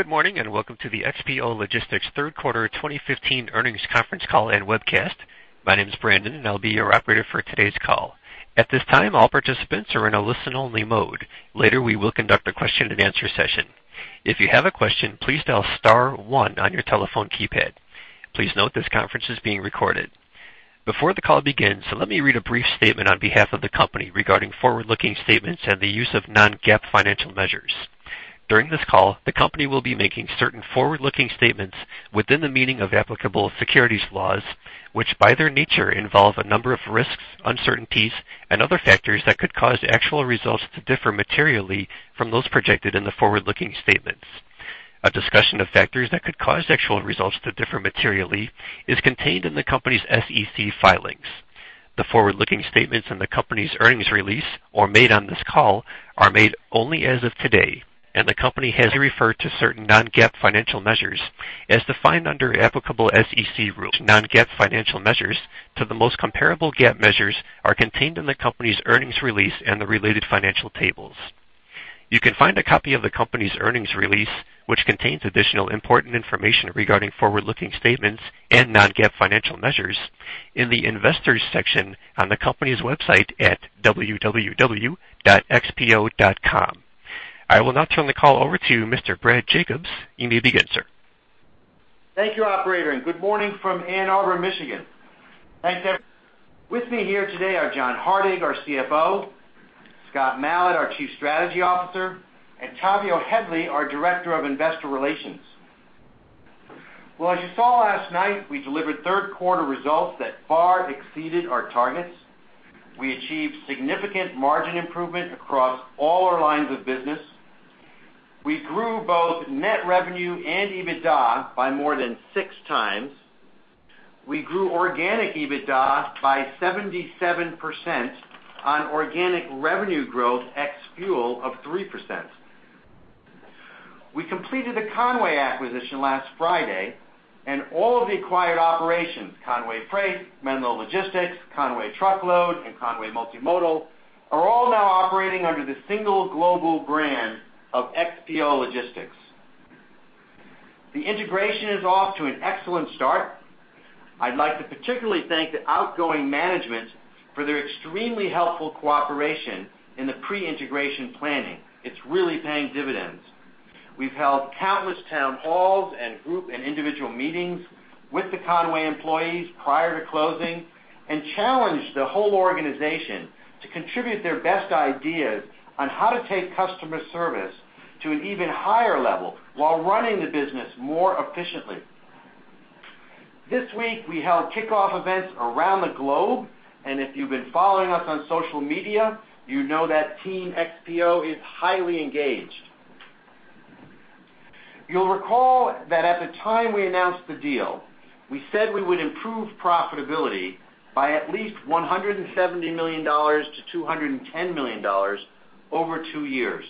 Good morning, and welcome to the XPO Logistics Q3 2015 Earnings Conference Call and Webcast. My name is Brandon, and I'll be your operator for today's call. At this time, all participants are in a listen-only mode. Later, we will conduct a question-and-answer session. If you have a question, please dial star one on your telephone keypad. Please note, this conference is being recorded. Before the call begins, let me read a brief statement on behalf of the company regarding forward-looking statements and the use of non-GAAP financial measures. During this call, the company will be making certain forward-looking statements within the meaning of applicable securities laws, which, by their nature, involve a number of risks, uncertainties, and other factors that could cause actual results to differ materially from those projected in the forward-looking statements. A discussion of factors that could cause actual results to differ materially is contained in the company's SEC filings. The forward-looking statements in the company's earnings release or made on this call are made only as of today, and the company has referred to certain non-GAAP financial measures as defined under applicable SEC rules. Non-GAAP financial measures to the most comparable GAAP measures are contained in the company's earnings release and the related financial tables. You can find a copy of the company's earnings release, which contains additional important information regarding forward-looking statements and non-GAAP financial measures, in the Investors section on the company's website at www.xpo.com. I will now turn the call over to Mr. Brad Jacobs. You may begin, sir. Thank you, operator, and good morning from Ann Arbor, Michigan. Thanks, everyone. With me here today are John Hardig, our CFO; Scott Malat, our Chief Strategy Officer; and Tavio Headley, our Director of Investor Relations. Well, as you saw last night, we delivered Q3 results that far exceeded our targets. We achieved significant margin improvement across all our lines of business. We grew both net revenue and EBITDA by more than six times. We grew organic EBITDA by 77% on organic revenue growth ex-fuel of 3%. We completed the Con-way acquisition last Friday, and all of the acquired operations, Con-way Freight, Menlo Logistics, Con-way Truckload, and Con-way Multimodal, are all now operating under the single global brand of XPO Logistics. The integration is off to an excellent start. I'd like to particularly thank the outgoing management for their extremely helpful cooperation in the pre-integration planning. It's really paying dividends. We've held countless town halls and group and individual meetings with the Con-way employees prior to closing and challenged the whole organization to contribute their best ideas on how to take customer service to an even higher level while running the business more efficiently. This week, we held kickoff events around the globe, and if you've been following us on social media, you know that Team XPO is highly engaged. You'll recall that at the time we announced the deal, we said we would improve profitability by at least $170 million-$210 million over two years.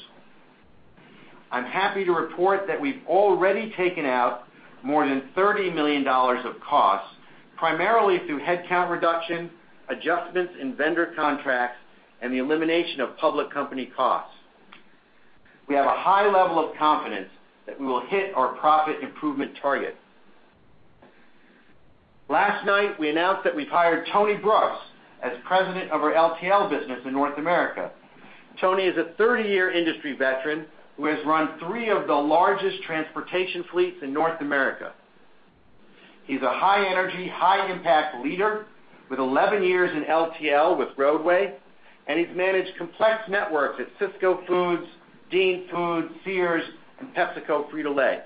I'm happy to report that we've already taken out more than $30 million of costs, primarily through headcount reduction, adjustments in vendor contracts, and the elimination of public company costs. We have a high level of confidence that we will hit our profit improvement target. Last night, we announced that we've hired Tony Brooks as President of our LTL business in North America. Tony is a 30-year industry veteran who has run three of the largest transportation fleets in North America. He's a high-energy, high-impact leader with 11 years in LTL with Roadway, and he's managed complex networks at Sysco Foods, Dean Foods, Sears, and PepsiCo Frito-Lay.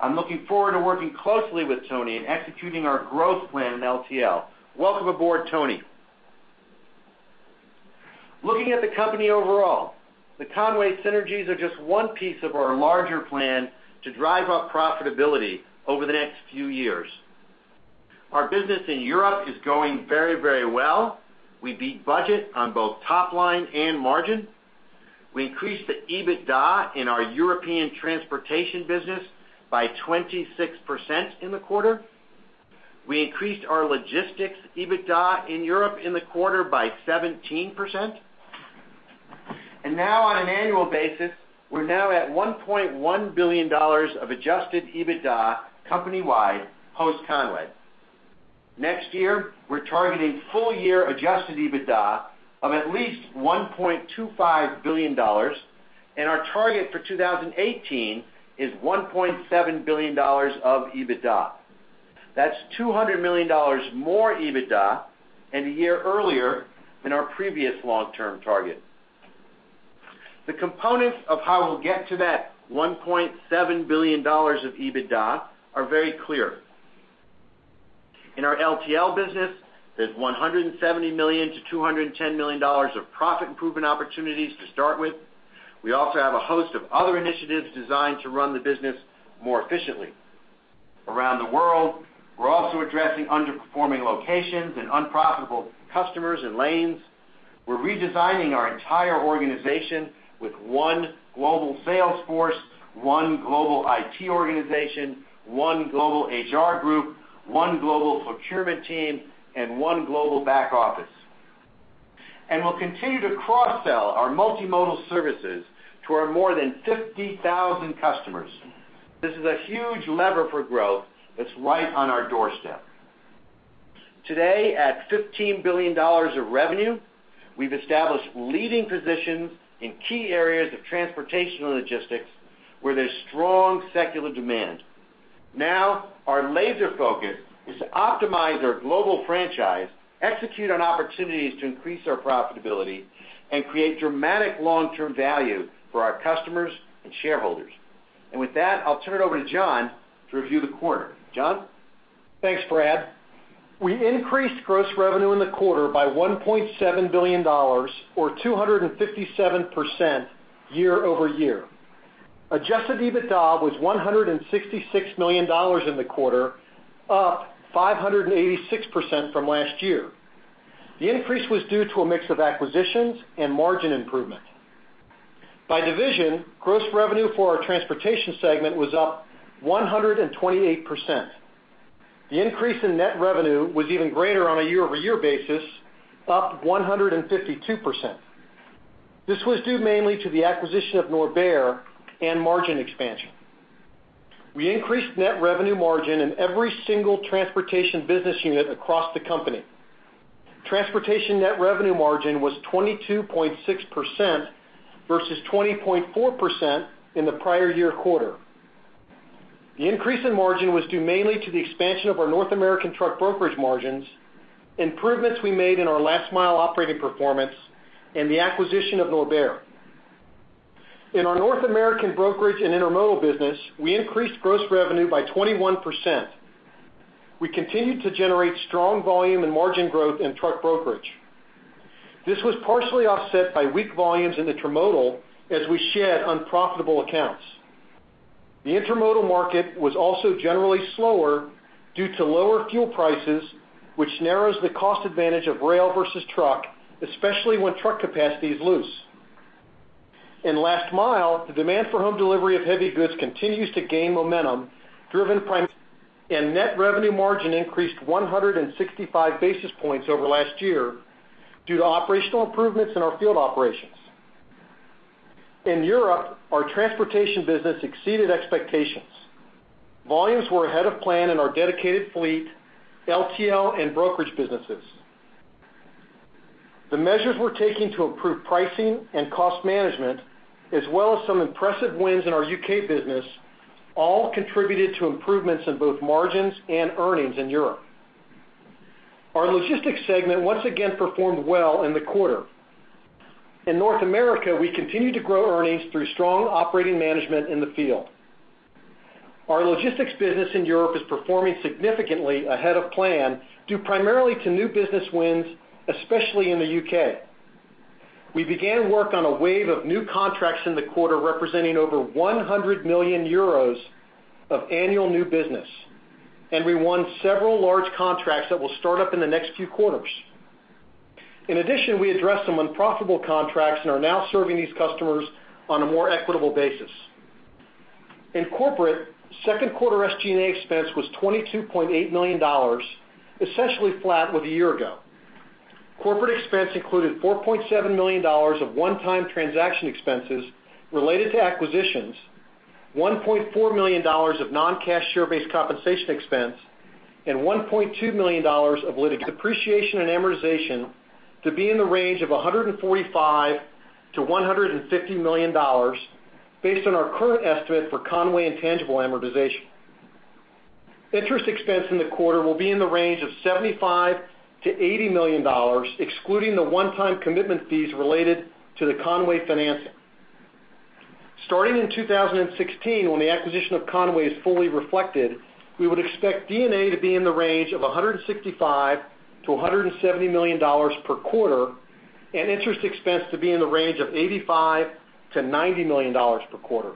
I'm looking forward to working closely with Tony in executing our growth plan in LTL. Welcome aboard, Tony. Looking at the company overall, the Con-way synergies are just one piece of our larger plan to drive up profitability over the next few years. Our business in Europe is going very, very well. We beat budget on both top line and margin. We increased the EBITDA in our European transportation business by 26% in the quarter. We increased our logistics EBITDA in Europe in the quarter by 17%. And now on an annual basis, we're now at $1.1 billion of adjusted EBITDA company-wide post-Con-way. Next year, we're targeting full-year adjusted EBITDA of at least $1.25 billion, and our target for 2018 is $1.7 billion of EBITDA. That's $200 million more EBITDA and a year earlier than our previous long-term target. The components of how we'll get to that $1.7 billion of EBITDA are very clear. In our LTL business, there's $170 million-$210 million of profit improvement opportunities to start with. We also have a host of other initiatives designed to run the business more efficiently. Around the world, we're also addressing underperforming locations and unprofitable customers and lanes. We're redesigning our entire organization with one global sales force, one global IT organization, one global HR group, one global procurement team, and one global back office... and we'll continue to cross-sell our multimodal services to our more than 50,000 customers. This is a huge lever for growth that's right on our doorstep. Today, at $15 billion of revenue, we've established leading positions in key areas of transportation and logistics where there's strong secular demand. Now, our laser focus is to optimize our global franchise, execute on opportunities to increase our profitability, and create dramatic long-term value for our customers and shareholders. With that, I'll turn it over to John to review the quarter. John? Thanks, Brad. We increased gross revenue in the quarter by $1.7 billion, or 257% year-over-year. Adjusted EBITDA was $166 million in the quarter, up 586% from last year. The increase was due to a mix of acquisitions and margin improvement. By division, gross revenue for our transportation segment was up 128%. The increase in net revenue was even greater on a year-over-year basis, up 152%. This was due mainly to the acquisition of Norbert and margin expansion. We increased net revenue margin in every single transportation business unit across the company. Transportation net revenue margin was 22.6% versus 20.4% in the prior year quarter. The increase in margin was due mainly to the expansion of our North American truck brokerage margins, improvements we made in our last mile operating performance, and the acquisition of Norbert. In our North American brokerage and intermodal business, we increased gross revenue by 21%. We continued to generate strong volume and margin growth in truck brokerage. This was partially offset by weak volumes in intermodal, as we shed unprofitable accounts. The intermodal market was also generally slower due to lower fuel prices, which narrows the cost advantage of rail versus truck, especially when truck capacity is loose. In last mile, the demand for home delivery of heavy goods continues to gain momentum, driven primarily, and net revenue margin increased 165 basis points over last year due to operational improvements in our field operations. In Europe, our transportation business exceeded expectations. Volumes were ahead of plan in our dedicated fleet, LTL, and brokerage businesses. The measures we're taking to improve pricing and cost management, as well as some impressive wins in our UK business, all contributed to improvements in both margins and earnings in Europe. Our logistics segment once again performed well in the quarter. In North America, we continued to grow earnings through strong operating management in the field. Our logistics business in Europe is performing significantly ahead of plan, due primarily to new business wins, especially in the UK. We began work on a wave of new contracts in the quarter, representing over 100 million euros of annual new business, and we won several large contracts that will start up in the next few quarters. In addition, we addressed some unprofitable contracts and are now serving these customers on a more equitable basis. In corporate, Q2 SG&A expense was $22.8 million, essentially flat with a year ago. Corporate expense included $4.7 million of one-time transaction expenses related to acquisitions, $1.4 million of non-cash share-based compensation expense, and $1.2 million of litigation. Depreciation and amortization to be in the range of $145 million-$150 million, based on our current estimate for Con-way intangible amortization. Interest expense in the quarter will be in the range of $75 million-$80 million, excluding the one-time commitment fees related to the Con-way financing. Starting in 2016, when the acquisition of Con-way is fully reflected, we would expect EBITDA to be in the range of $165 million-$170 million per quarter, and interest expense to be in the range of $85 million-$90 million per quarter.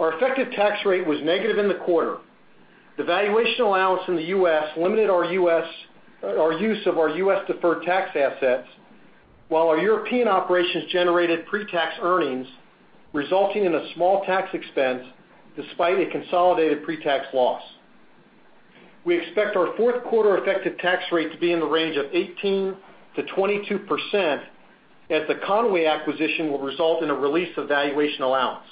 Our effective tax rate was negative in the quarter. The valuation allowance in the U.S. limited our use of our U.S. deferred tax assets, while our European operations generated pre-tax earnings, resulting in a small tax expense, despite a consolidated pre-tax loss. We expect our Q4 effective tax rate to be in the range of 18%-22%, as the Con-way acquisition will result in a release of valuation allowance.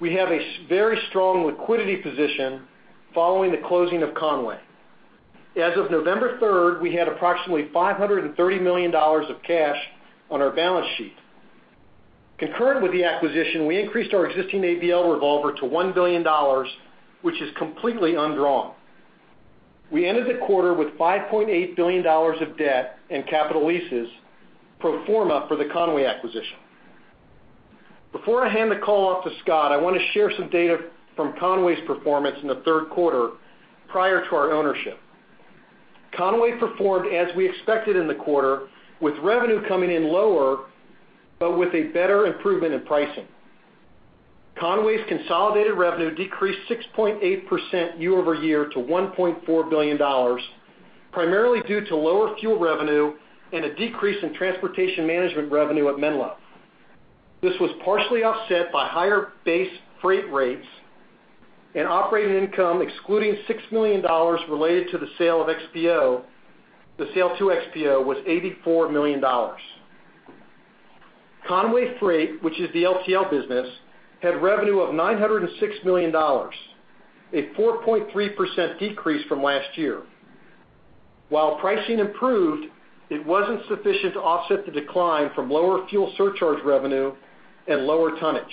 We have a very strong liquidity position following the closing of Con-way. As of November third, we had approximately $530 million of cash on our balance sheet. Concurrent with the acquisition, we increased our existing ABL revolver to $1 billion, which is completely undrawn. We ended the quarter with $5.8 billion of debt and capital leases, pro forma for the Con-way acquisition. Before I hand the call off to Scott, I want to share some data from Con-way's performance in the Q3 prior to our ownership. Con-way performed as we expected in the quarter, with revenue coming in lower, but with a better improvement in pricing. Con-way's consolidated revenue decreased 6.8% year-over-year to $1.4 billion, primarily due to lower fuel revenue and a decrease in transportation management revenue at Menlo.... This was partially offset by higher base freight rates and operating income, excluding $6 million related to the sale of XPO, the sale to XPO was $84 million. Con-way Freight, which is the LTL business, had revenue of $906 million, a 4.3% decrease from last year. While pricing improved, it wasn't sufficient to offset the decline from lower fuel surcharge revenue and lower tonnage.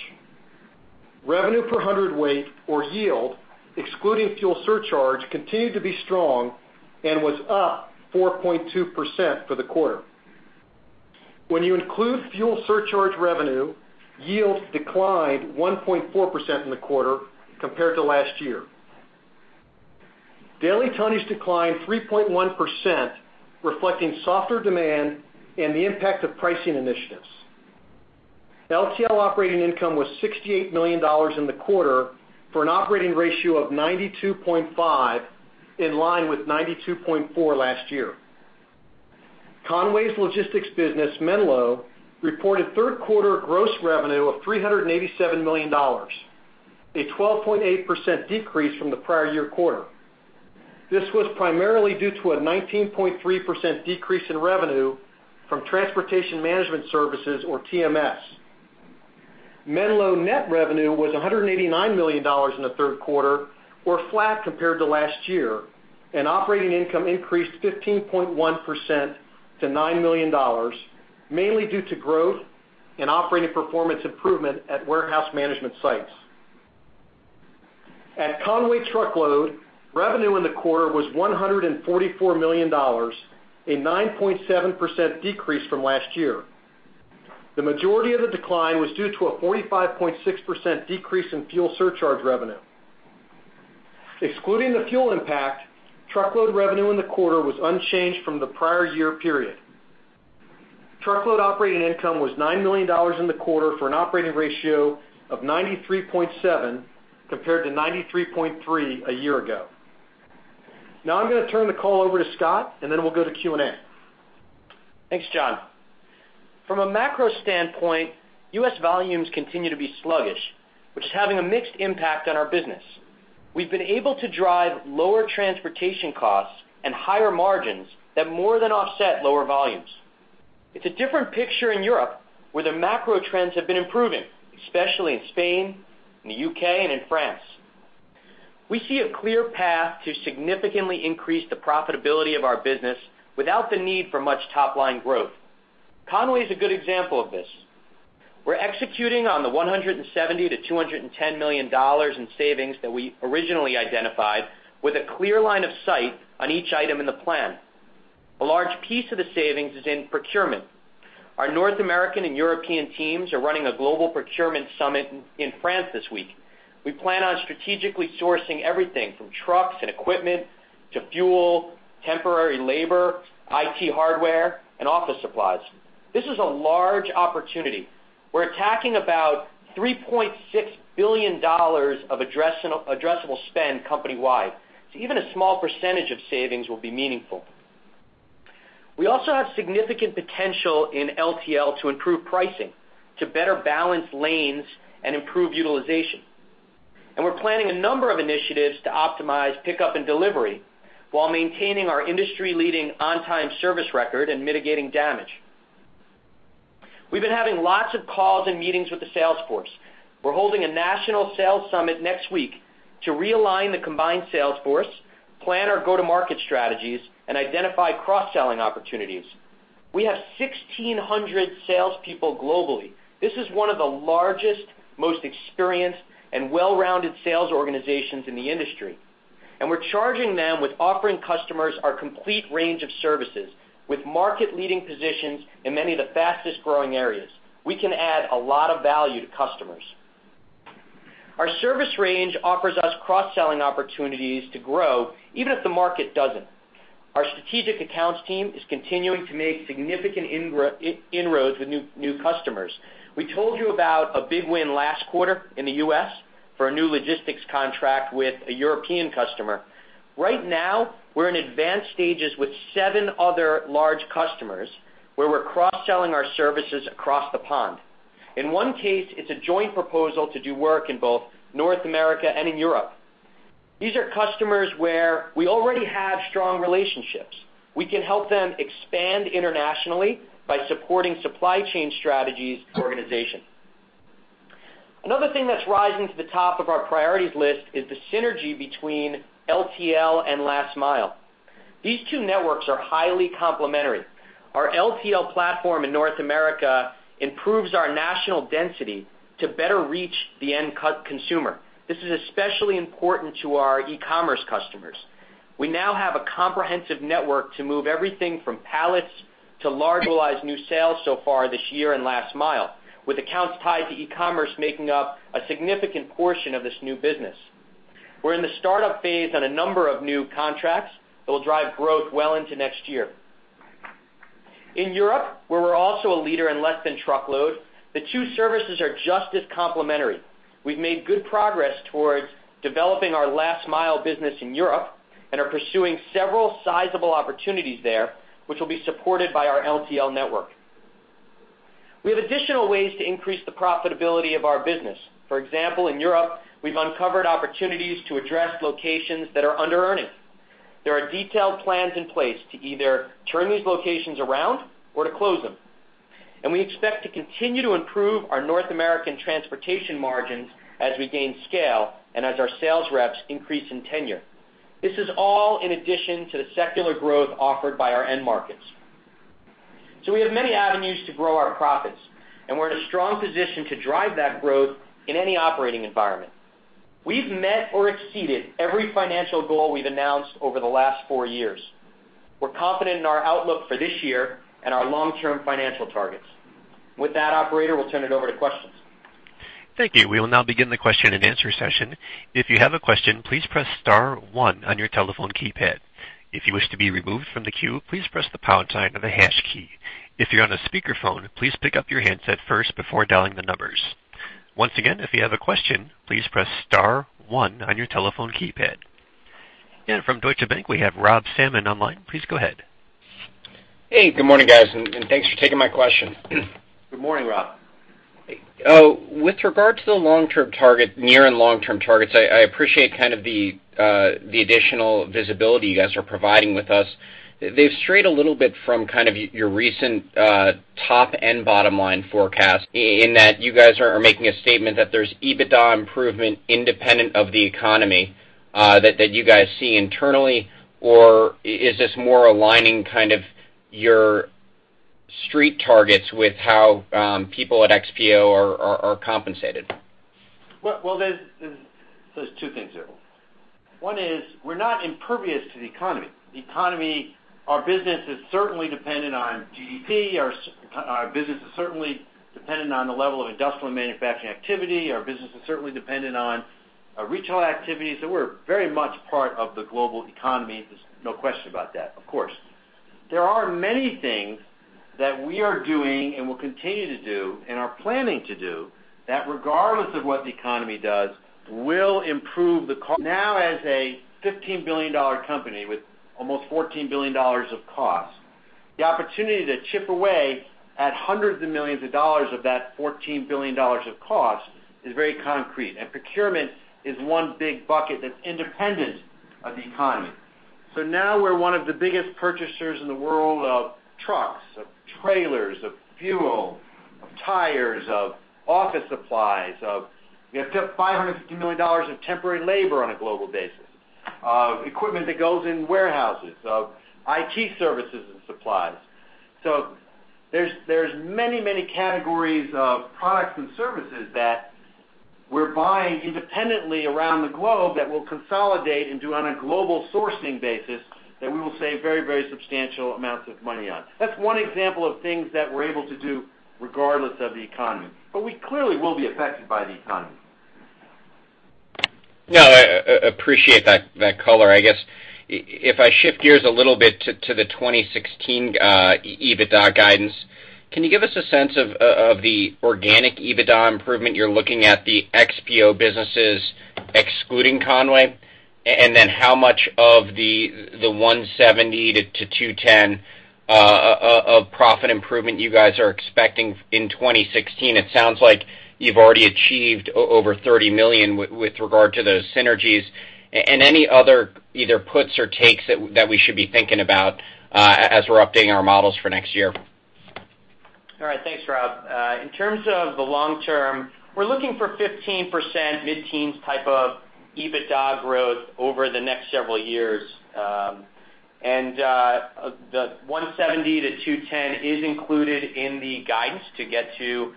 Revenue per hundredweight or yield, excluding fuel surcharge, continued to be strong and was up 4.2% for the quarter. When you include fuel surcharge revenue, yields declined 1.4% in the quarter compared to last year. Daily tonnages declined 3.1%, reflecting softer demand and the impact of pricing initiatives. LTL operating income was $68 million in the quarter for an operating ratio of 92.5, in line with 92.4 last year. Con-way's logistics business, Menlo, reported Q3 gross revenue of $387 million, a 12.8% decrease from the prior year quarter. This was primarily due to a 19.3% decrease in revenue from transportation management services or TMS. Menlo net revenue was $189 million in the Q3, or flat compared to last year, and operating income increased 15.1% to $9 million, mainly due to growth and operating performance improvement at warehouse management sites. At Con-way Truckload, revenue in the quarter was $144 million, a 9.7% decrease from last year. The majority of the decline was due to a 45.6% decrease in fuel surcharge revenue. Excluding the fuel impact, truckload revenue in the quarter was unchanged from the prior year period. Truckload operating income was $9 million in the quarter for an operating ratio of 93.7, compared to 93.3 a year ago. Now I'm going to turn the call over to Scott, and then we'll go to Q&A. Thanks, John. From a macro standpoint, U.S. volumes continue to be sluggish, which is having a mixed impact on our business. We've been able to drive lower transportation costs and higher margins that more than offset lower volumes. It's a different picture in Europe, where the macro trends have been improving, especially in Spain, in the U.K., and in France. We see a clear path to significantly increase the profitability of our business without the need for much top-line growth. Con-way is a good example of this. We're executing on the $170 million-$210 million in savings that we originally identified, with a clear line of sight on each item in the plan. A large piece of the savings is in procurement. Our North American and European teams are running a global procurement summit in France this week. We plan on strategically sourcing everything from trucks and equipment to fuel, temporary labor, IT hardware, and office supplies. This is a large opportunity. We're attacking about $3.6 billion of addressable spend company-wide, so even a small percentage of savings will be meaningful. We also have significant potential in LTL to improve pricing, to better balance lanes and improve utilization, and we're planning a number of initiatives to optimize pickup and delivery while maintaining our industry-leading on-time service record and mitigating damage. We've been having lots of calls and meetings with the sales force. We're holding a national sales summit next week to realign the combined sales force, plan our go-to-market strategies, and identify cross-selling opportunities. We have 1,600 salespeople globally. This is one of the largest, most experienced, and well-rounded sales organizations in the industry, and we're charging them with offering customers our complete range of services with market-leading positions in many of the fastest-growing areas. We can add a lot of value to customers. Our service range offers us cross-selling opportunities to grow, even if the market doesn't. Our strategic accounts team is continuing to make significant inroads with new, new customers. We told you about a big win last quarter in the U.S. for a new logistics contract with a European customer. Right now, we're in advanced stages with seven other large customers, where we're cross-selling our services across the pond. In one case, it's a joint proposal to do work in both North America and in Europe. These are customers where we already have strong relationships. We can help them expand internationally by supporting supply chain strategies and organization. Another thing that's rising to the top of our priorities list is the synergy between LTL and last mile. These two networks are highly complementary. Our LTL platform in North America improves our national density to better reach the end customer. This is especially important to our e-commerce customers. We now have a comprehensive network to move everything from pallets to large-- new sales so far this year in last mile, with accounts tied to e-commerce making up a significant portion of this new business. We're in the startup phase on a number of new contracts that will drive growth well into next year. In Europe, where we're also a leader in less-than-truckload, the two services are just as complementary. We've made good progress towards developing our last mile business in Europe. And are pursuing several sizable opportunities there, which will be supported by our LTL network. We have additional ways to increase the profitability of our business. For example, in Europe, we've uncovered opportunities to address locations that are under-earning. There are detailed plans in place to either turn these locations around or to close them, and we expect to continue to improve our North American transportation margins as we gain scale and as our sales reps increase in tenure. This is all in addition to the secular growth offered by our end markets. So we have many avenues to grow our profits, and we're in a strong position to drive that growth in any operating environment. We've met or exceeded every financial goal we've announced over the last four years. We're confident in our outlook for this year and our long-term financial targets. With that, operator, we'll turn it over to questions. Thank you. We will now begin the question-and-answer session. If you have a question, please press star one on your telephone keypad. If you wish to be removed from the queue, please press the pound sign or the hash key. If you're on a speakerphone, please pick up your handset first before dialing the numbers. Once again, if you have a question, please press star one on your telephone keypad. And from Deutsche Bank, we have Rob Salmon online. Please go ahead. Hey, good morning, guys, and thanks for taking my question. Good morning, Rob. With regard to the long-term target, near and long-term targets, I appreciate kind of the additional visibility you guys are providing with us. They've strayed a little bit from kind of your recent top and bottom line forecast, in that you guys are making a statement that there's EBITDA improvement independent of the economy, that you guys see internally. Or is this more aligning kind of your street targets with how people at XPO are compensated? Well, there's two things here. One is we're not impervious to the economy. The economy, our business is certainly dependent on GDP. Our business is certainly dependent on the level of industrial and manufacturing activity. Our business is certainly dependent on retail activities, so we're very much part of the global economy. There's no question about that, of course. There are many things that we are doing and will continue to do and are planning to do, that regardless of what the economy does, will improve the... Now, as a $15 billion company with almost $14 billion of costs, the opportunity to chip away at hundreds of millions of dollars of that $14 billion of costs is very concrete, and procurement is one big bucket that's independent of the economy. So now we're one of the biggest purchasers in the world of trucks, of trailers, of fuel, of tires, of office supplies, of, we have $550 million of temporary labor on a global basis, of equipment that goes in warehouses, of IT services and supplies. So there's many, many categories of products and services that we're buying independently around the globe that we'll consolidate and do on a global sourcing basis, that we will save very, very substantial amounts of money on. That's one example of things that we're able to do regardless of the economy, but we clearly will be affected by the economy. No, I, I appreciate that, that color. I guess, if I shift gears a little bit to, to the 2016 EBITDA guidance, can you give us a sense of, of the organic EBITDA improvement you're looking at the XPO businesses, excluding Con-way? And then how much of the $170-$210 million of profit improvement you guys are expecting in 2016? It sounds like you've already achieved over $30 million with, with regard to those synergies and any other either puts or takes that, that we should be thinking about, as we're updating our models for next year. All right. Thanks, Rob. In terms of the long term, we're looking for 15%, mid-teens type of EBITDA growth over the next several years. And the $170-$210 million is included in the guidance to get to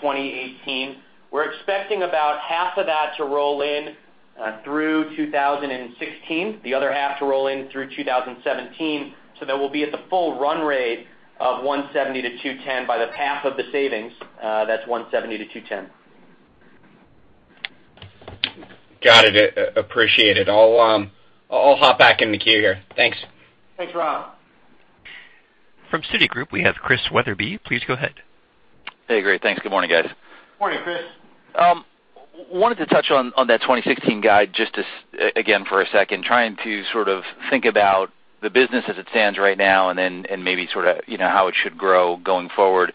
2018. We're expecting about half of that to roll in through 2016, the other half to roll in through 2017. So that we'll be at the full run rate of $170-$210 million. By the half of the savings, that's $170-$210 million. Got it. Appreciate it. I'll hop back in the queue here. Thanks. Thanks, Rob. From Citigroup, we have Chris Wetherbee. Please go ahead. Hey, great. Thanks. Good morning, guys. Good morning, Chris. Wanted to touch on, on that 2016 guide, just to say again, for a second, trying to sort of think about the business as it stands right now, and then, and maybe sort of, you know, how it should grow going forward.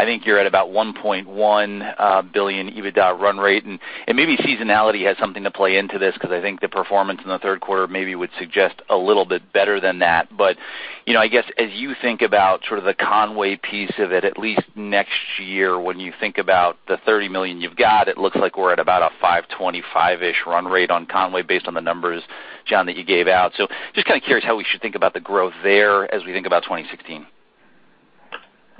I think you're at about $1.1 billion EBITDA run rate, and, and maybe seasonality has something to play into this, 'cause I think the performance in the Q3 maybe would suggest a little bit better than that. But, you know, I guess as you think about sort of the Con-way piece of it, at least next year, when you think about the $30 million you've got, it looks like we're at about a $525-ish run rate on Con-way, based on the numbers, John, that you gave out. So just kind of curious how we should think about the growth there as we think about 2016?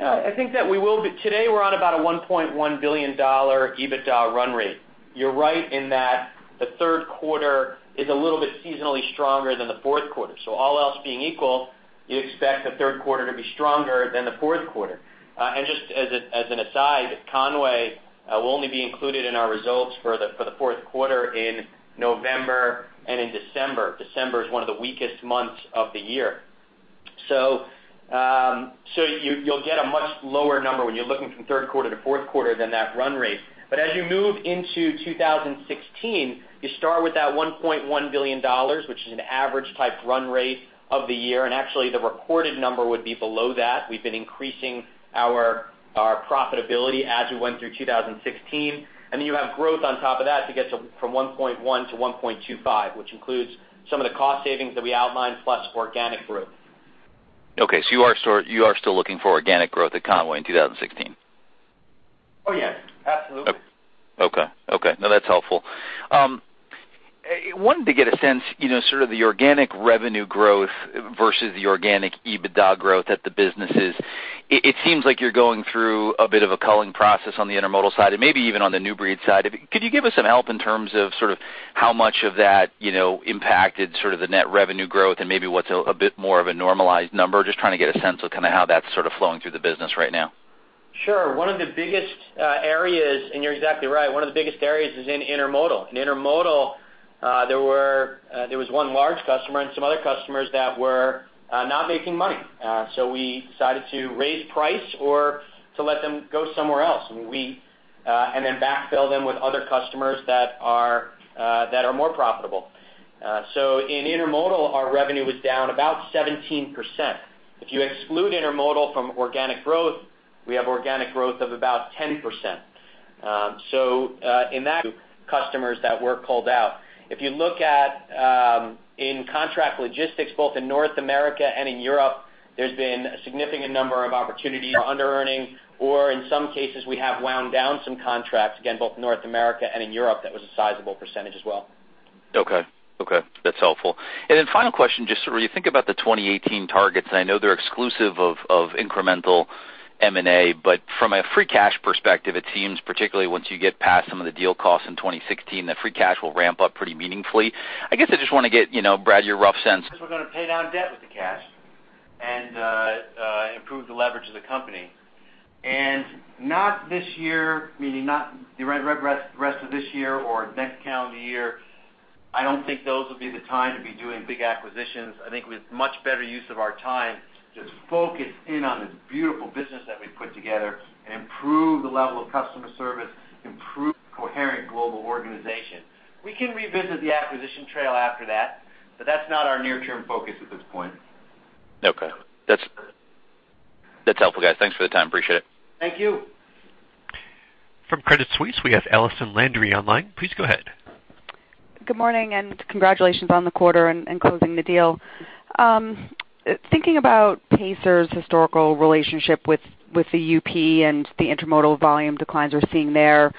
Yeah, I think that we will be—today, we're on about a $1.1 billion EBITDA run rate. You're right in that the Q3 is a little bit seasonally stronger than the Q4. So all else being equal, you expect the Q3 to be stronger than the Q4. And just as an aside, Con-way will only be included in our results for the Q4 in November and in December. December is one of the weakest months of the year. So you will get a much lower number when you're looking from Q3 to Q4 than that run rate. But as you move into 2016, you start with that $1.1 billion, which is an average type run rate of the year, and actually, the recorded number would be below that. We've been increasing our profitability as we went through 2016, and then you have growth on top of that to get to from $1.1 billion to $1.25 billion, which includes some of the cost savings that we outlined, plus organic growth. Okay, so you are still looking for organic growth at Con-way in 2016? Oh, yes, absolutely. Okay. Okay, no, that's helpful. I wanted to get a sense, you know, sort of the organic revenue growth versus the organic EBITDA growth at the businesses. It, it seems like you're going through a bit of a culling process on the intermodal side and maybe even on the New Breed side. Could you give us some help in terms of sort of how much of that, you know, impacted sort of the net revenue growth and maybe what's a, a bit more of a normalized number? Just trying to get a sense of kind of how that's sort of flowing through the business right now. Sure. One of the biggest areas, and you're exactly right, one of the biggest areas is in intermodal. In intermodal, there were, there was one large customer and some other customers that were not making money. So we decided to raise price or to let them go somewhere else, and we, and then backfill them with other customers that are that are more profitable. So in intermodal, our revenue was down about 17%. If you exclude intermodal from organic growth, we have organic growth of about 10%. So, in that, customers that were culled out. If you look at, in contract logistics, both in North America and in Europe, there's been a significant number of opportunities under earning, or in some cases, we have wound down some contracts, again, both in North America and in Europe. That was a sizable percentage as well. Okay. Okay, that's helpful. And then final question, just so when you think about the 2018 targets, I know they're exclusive of, of incremental M&A, but from a free cash perspective, it seems particularly once you get past some of the deal costs in 2016, that free cash will ramp up pretty meaningfully. I guess I just want to get, you know, Brad, your rough sense. We're going to pay down debt with the cash and improve the leverage of the company. And not this year, meaning not the rest of this year or next calendar year, I don't think those will be the time to be doing big acquisitions. I think with much better use of our time, just focus in on this beautiful business that we've put together and improve the level of customer service, improve coherent global organization. We can revisit the acquisition trail after that, but that's not our near-term focus at this point. Okay. That's, that's helpful, guys. Thanks for the time. Appreciate it. Thank you. From Credit Suisse, we have Allison Landry online. Please go ahead. Good morning, and congratulations on the quarter and closing the deal. Thinking about Pacer's historical relationship with the UP and the intermodal volume declines we're seeing there,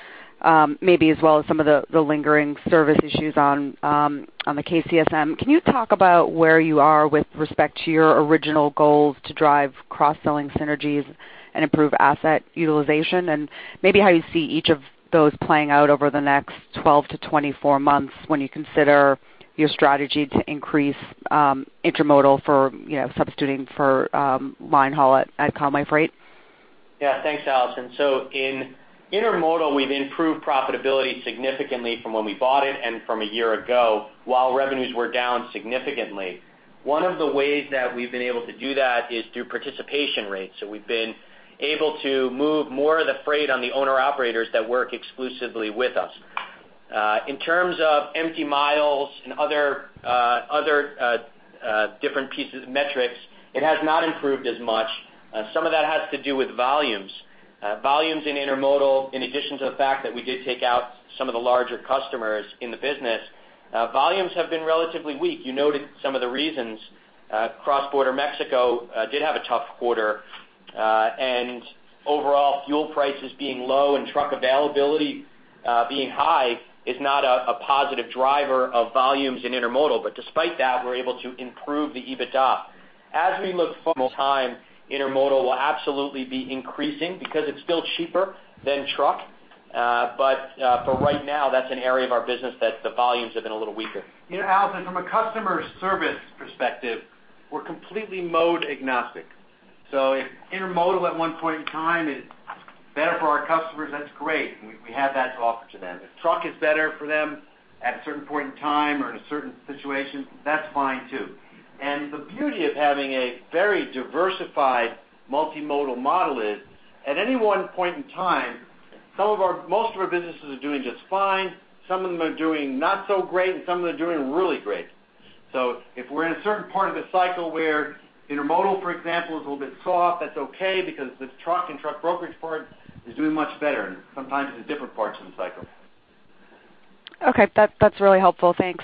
maybe as well as some of the lingering service issues on the KCSM. Can you talk about where you are with respect to your original goals to drive cross-selling synergies and improve asset utilization? And maybe how you see each of those playing out over the next 12-24 months when you consider your strategy to increase intermodal for, you know, substituting for line haul at Con-way Freight. Yeah. Thanks, Allison. So in intermodal, we've improved profitability significantly from when we bought it and from a year ago, while revenues were down significantly. One of the ways that we've been able to do that is through participation rates. So we've been able to move more of the freight on the owner-operators that work exclusively with us. In terms of empty miles and other different pieces of metrics, it has not improved as much. Some of that has to do with volumes. Volumes in intermodal, in addition to the fact that we did take out some of the larger customers in the business, volumes have been relatively weak. You noted some of the reasons, cross-border Mexico did have a tough quarter, and overall, fuel prices being low and truck availability being high is not a positive driver of volumes in intermodal. But despite that, we're able to improve the EBITDA. As we look more time, intermodal will absolutely be increasing because it's still cheaper than truck. But for right now, that's an area of our business that the volumes have been a little weaker. You know, Allison, from a customer service perspective, we're completely mode agnostic. So if intermodal at one point in time is better for our customers, that's great, and we have that to offer to them. If truck is better for them at a certain point in time or in a certain situation, that's fine, too. The beauty of having a very diversified multimodal model is, at any one point in time, some of our, most of our businesses are doing just fine, some of them are doing not so great, and some of them are doing really great. So if we're in a certain part of the cycle where intermodal, for example, is a little bit soft, that's okay because the truck and truck brokerage part is doing much better, and sometimes it's different parts of the cycle. Okay, that, that's really helpful. Thanks.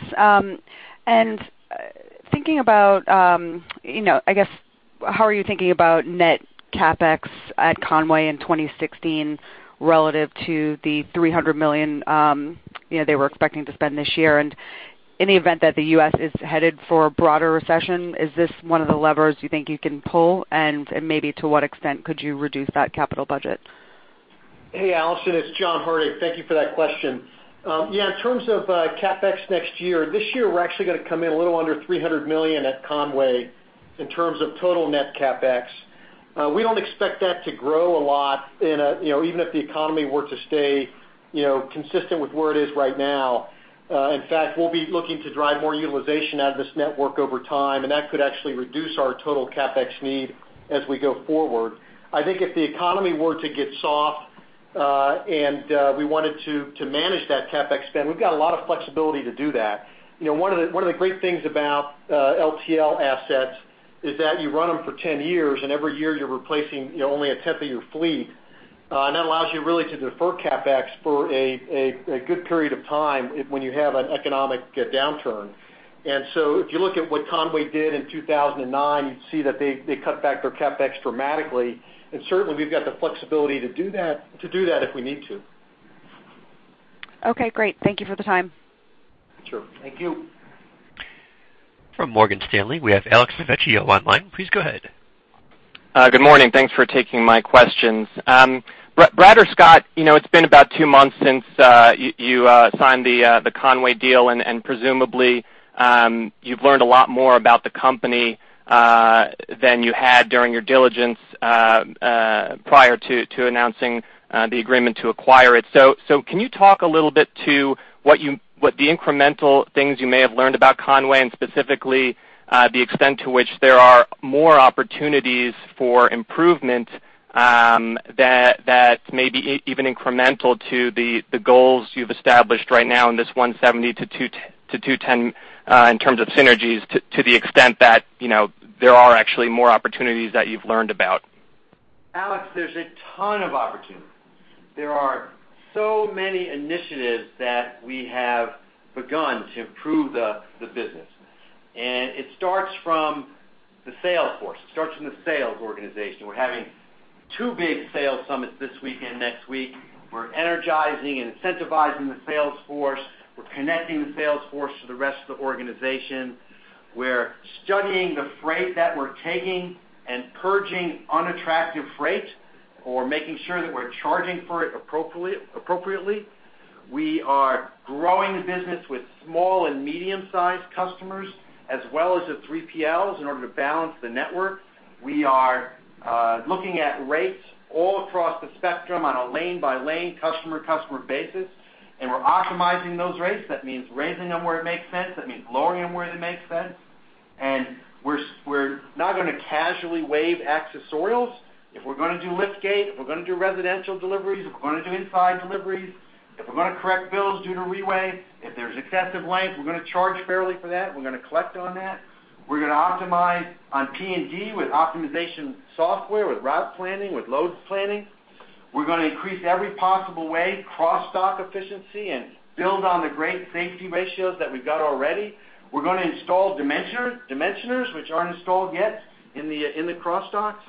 Thinking about, you know, I guess, how are you thinking about net CapEx at Con-way in 2016 relative to the $300 million, you know, they were expecting to spend this year? And in the event that the U.S. is headed for a broader recession, is this one of the levers you think you can pull? And maybe to what extent could you reduce that capital budget? Hey, Allison, it's John Hardig. Thank you for that question. Yeah, in terms of CapEx next year, this year, we're actually going to come in a little under $300 million at Con-way in terms of total net CapEx.... we don't expect that to grow a lot in a, you know, even if the economy were to stay, you know, consistent with where it is right now. In fact, we'll be looking to drive more utilization out of this network over time, and that could actually reduce our total CapEx need as we go forward. I think if the economy were to get soft, and we wanted to manage that CapEx spend, we've got a lot of flexibility to do that. You know, one of the great things about LTL assets is that you run them for 10 years, and every year, you're replacing, you know, only a tenth of your fleet. And that allows you really to defer CapEx for a good period of time if, when you have an economic downturn. And so if you look at what Con-way did in 2009, you'd see that they cut back their CapEx dramatically, and certainly, we've got the flexibility to do that if we need to. Okay, great. Thank you for the time. Sure. Thank you. From Morgan Stanley, we have Alex Vecchio online. Please go ahead. Good morning. Thanks for taking my questions. Brad or Scott, you know, it's been about two months since you signed the Conway deal, and presumably, you've learned a lot more about the company than you had during your diligence prior to announcing the agreement to acquire it. So can you talk a little bit to what the incremental things you may have learned about Conway, and specifically, the extent to which there are more opportunities for improvement that may be even incremental to the goals you've established right now in this 170-210 in terms of synergies, to the extent that, you know, there are actually more opportunities that you've learned about? Alex, there's a ton of opportunities. There are so many initiatives that we have begun to improve the business. It starts from the sales force. It starts from the sales organization. We're having two big sales summits this week and next week. We're energizing and incentivizing the sales force. We're connecting the sales force to the rest of the organization. We're studying the freight that we're taking and purging unattractive freight or making sure that we're charging for it appropriately, appropriately. We are growing the business with small and medium-sized customers, as well as the 3PLs, in order to balance the network. We are looking at rates all across the spectrum on a lane-by-lane, customer-customer basis, and we're optimizing those rates. That means raising them where it makes sense, that means lowering them where it makes sense. We're not going to casually waive accessorials. If we're going to do liftgate, if we're going to do residential deliveries, if we're going to do inside deliveries, if we're going to correct bills due to reweigh, if there's excessive length, we're going to charge fairly for that. We're going to collect on that. We're going to optimize on P&D with optimization software, with route planning, with loads planning. We're going to increase every possible way, cross-dock efficiency, and build on the great safety ratios that we've got already. We're going to install dimensioner, dimensioners, which aren't installed yet in the cross-docks.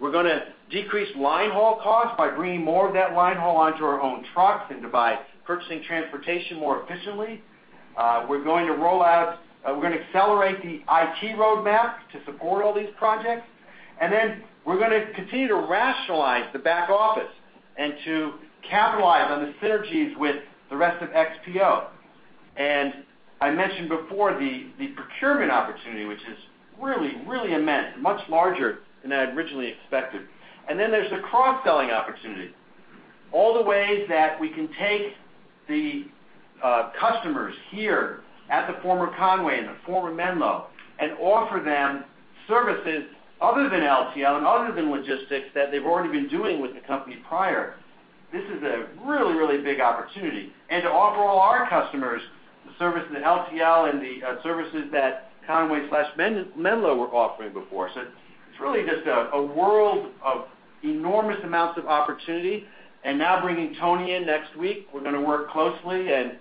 We're gonna decrease line haul costs by bringing more of that line haul onto our own trucks and by purchasing transportation more efficiently. We're going to accelerate the IT roadmap to support all these projects. And then we're gonna continue to rationalize the back office and to capitalize on the synergies with the rest of XPO. And I mentioned before, the procurement opportunity, which is really, really immense, much larger than I had originally expected. And then there's the cross-selling opportunity. All the ways that we can take the customers here at the former Con-way and the former Menlo, and offer them services other than LTL and other than logistics, that they've already been doing with the company prior. This is a really, really big opportunity. And to offer all our customers the services of LTL and the services that Con-way/Menlo were offering before. So it's really just a world of enormous amounts of opportunity, and now bringing Tony in next week, we're going to work closely and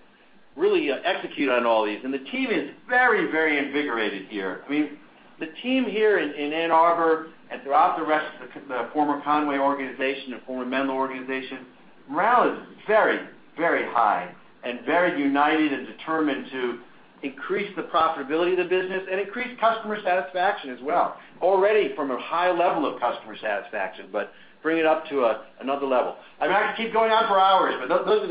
really execute on all these. The team is very, very invigorated here. I mean, the team here in Ann Arbor and throughout the rest of the former Conway organization, the former Menlo organization, morale is very, very high and very united and determined to increase the profitability of the business and increase customer satisfaction as well. Already from a high level of customer satisfaction, but bring it up to another level. I mean, I could keep going on for hours, but those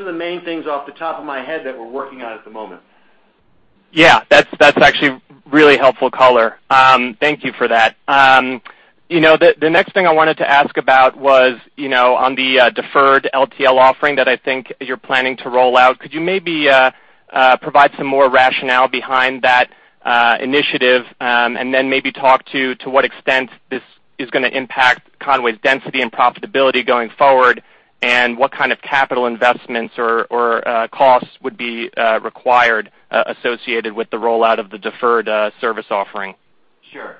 are the main things off the top of my head that we're working on at the moment. Yeah, that's, that's actually really helpful color. Thank you for that. You know, the next thing I wanted to ask about was, you know, on the deferred LTL offering that I think you're planning to roll out. Could you maybe provide some more rationale behind that initiative, and then maybe talk to what extent this is gonna impact Con-way's density and profitability going forward? And what kind of capital investments or costs would be required associated with the rollout of the deferred service offering? Sure.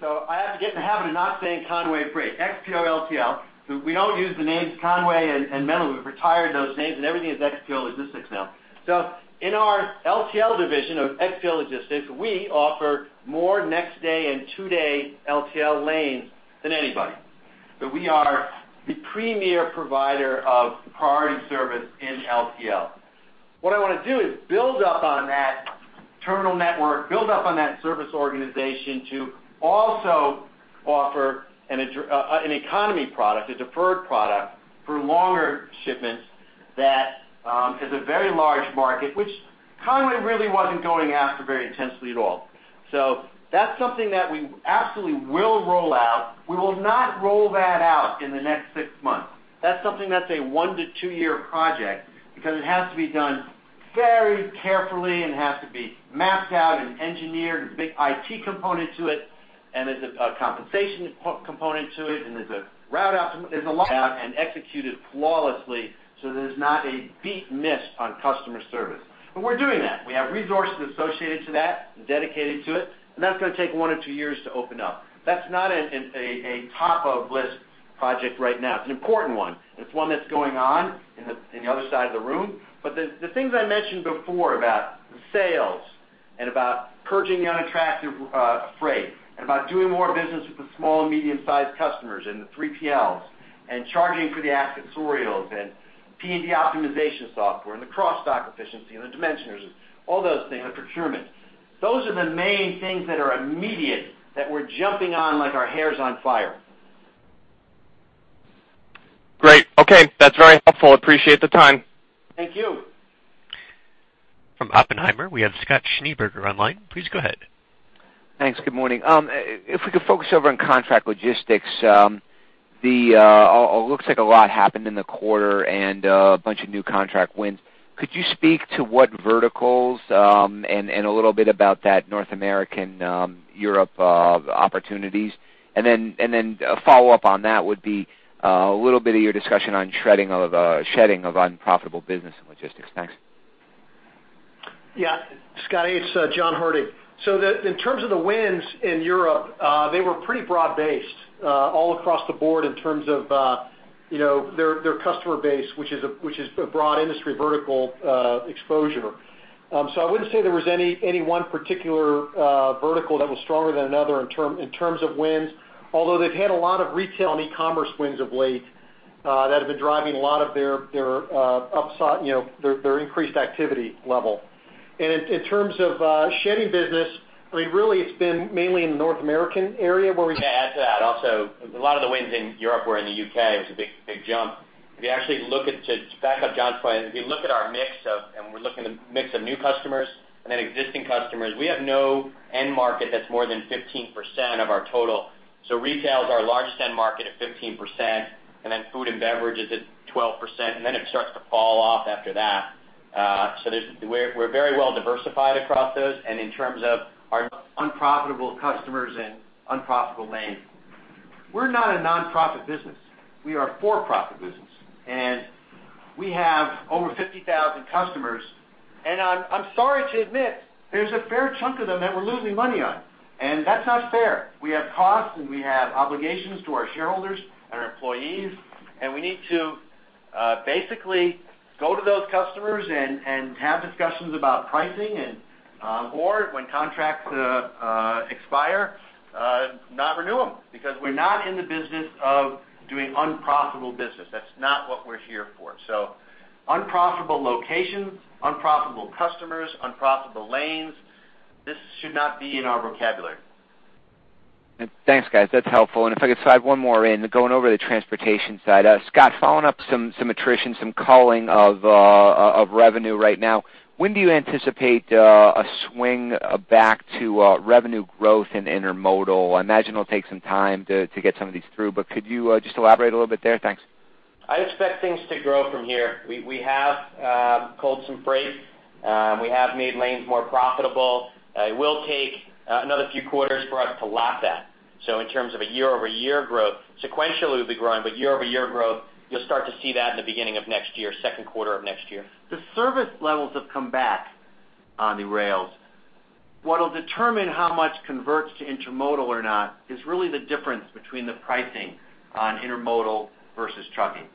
So I have to get in the habit of not saying Con-way Freight. XPO LTL, so we don't use the names Con-way and Menlo. We've retired those names, and everything is XPO Logistics now. So in our LTL division of XPO Logistics, we offer more next-day and two-day LTL lanes than anybody. So we are the premier provider of priority service in LTL. What I want to do is build up on that terminal network, build up on that service organization to also offer an economy product, a deferred product for longer shipments is a very large market, which Con-way really wasn't going after very intensely at all. So that's something that we absolutely will roll out. We will not roll that out in the next six months. That's something that's a 1-2-year project because it has to be done very carefully and has to be mapped out and engineered, a big IT component to it, and there's a compensation component to it, and there's a route out, there's a lot, and executed flawlessly, so there's not a beat missed on customer service. But we're doing that. We have resources associated to that and dedicated to it, and that's gonna take 1 or 2 years to open up. That's not a top-of-list project right now. It's an important one, and it's one that's going on in the other side of the room. But the things I mentioned before about the sales and about purging the unattractive freight, and about doing more business with the small and medium-sized customers and the 3PLs, and charging for the accessorials, and P&D optimization software, and the cross-dock efficiency, and the dimensioners, all those things, the procurement. Those are the main things that are immediate, that we're jumping on like our hair's on fire. Great. Okay, that's very helpful. Appreciate the time. Thank you. From Oppenheimer, we have Scott Schneeberger online. Please go ahead. Thanks. Good morning. If we could focus over on contract logistics, it looks like a lot happened in the quarter and a bunch of new contract wins. Could you speak to what verticals and a little bit about that North American, Europe opportunities? And then a follow-up on that would be a little bit of your discussion on shredding of, shedding of unprofitable business and logistics. Thanks. Yeah. Scott, it's John Hardig. So the-- in terms of the wins in Europe, they were pretty broad-based, all across the board in terms of, you know, their, their customer base, which is a, which is a broad industry vertical exposure. So I wouldn't say there was any, any one particular, vertical that was stronger than another in term, in terms of wins. Although they've had a lot of retail and e-commerce wins of late, that have been driving a lot of their, their, upsell, you know, their, their increased activity level. And in, in terms of, shedding business, I mean, really, it's been mainly in the North American area where we- May I add to that also? A lot of the wins in Europe were in the UK. It was a big, big jump. If you actually look at, to back up John's point, if you look at our mix of, and we're looking at the mix of new customers and then existing customers, we have no end market that's more than 15% of our total. So retail is our largest end market at 15%, and then food and beverage is at 12%, and then it starts to fall off after that. So there's, we're, we're very well diversified across those and in terms of our unprofitable customers and unprofitable lanes. We're not a nonprofit business. We are a for-profit business, and we have over 50,000 customers, and I'm sorry to admit, there's a fair chunk of them that we're losing money on, and that's not fair. We have costs, and we have obligations to our shareholders and our employees, and we need to basically go to those customers and have discussions about pricing and or when contracts expire not renew them because we're not in the business of doing unprofitable business. That's not what we're here for. So unprofitable locations, unprofitable customers, unprofitable lanes, this should not be in our vocabulary. Thanks, guys. That's helpful. And if I could slide one more in, going over to the transportation side. Scott, following up some attrition, some culling of revenue right now, when do you anticipate a swing back to revenue growth in intermodal? I imagine it'll take some time to get some of these through, but could you just elaborate a little bit there? Thanks. I expect things to grow from here. We have culled some freight, we have made lanes more profitable. It will take another few quarters for us to lap that. So in terms of a year-over-year growth, sequentially, we'll be growing, but year-over-year growth, you'll start to see that in the beginning of next year, Q2 of next year. The service levels have come back on the rails. What will determine how much converts to intermodal or not is really the difference between the pricing on intermodal versus trucking.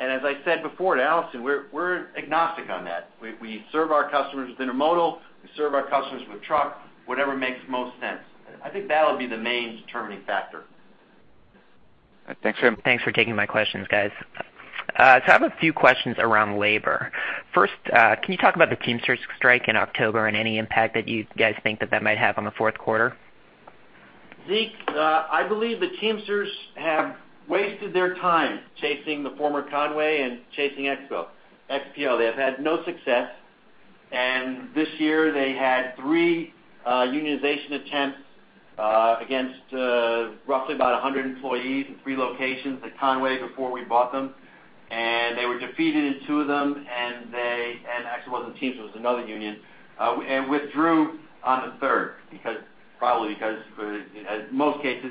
As I said before to Allison, we're agnostic on that. We serve our customers with intermodal, we serve our customers with truck, whatever makes most sense. I think that'll be the main determining factor. Thanks for taking my questions, guys. I have a few questions around labor. First, can you talk about the Teamsters strike in October and any impact that you guys think that that might have on the Q4? Zeke, I believe the Teamsters have wasted their time chasing the former Con-way and chasing XPO. They have had no success, and this year they had three unionization attempts against roughly about 100 employees in three locations at Con-way before we bought them, and they were defeated in two of them. And actually, it wasn't Teamsters; it was another union and withdrew on the third, because probably because in most cases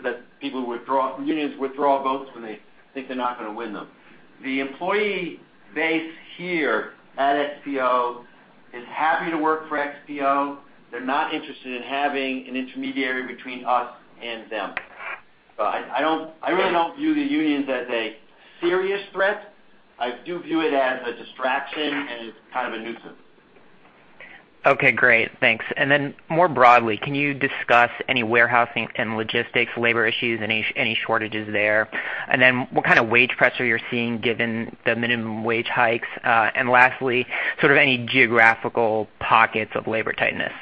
unions withdraw votes when they think they're not going to win them. The employee base here at XPO is happy to work for XPO. They're not interested in having an intermediary between us and them. I don't really view the unions as a serious threat. I do view it as a distraction and kind of a nuisance. Okay, great. Thanks. And then more broadly, can you discuss any warehousing and logistics, labor issues, any shortages there? And then what kind of wage pressure you're seeing given the minimum wage hikes? And lastly, sort of any geographical pockets of labor tightness?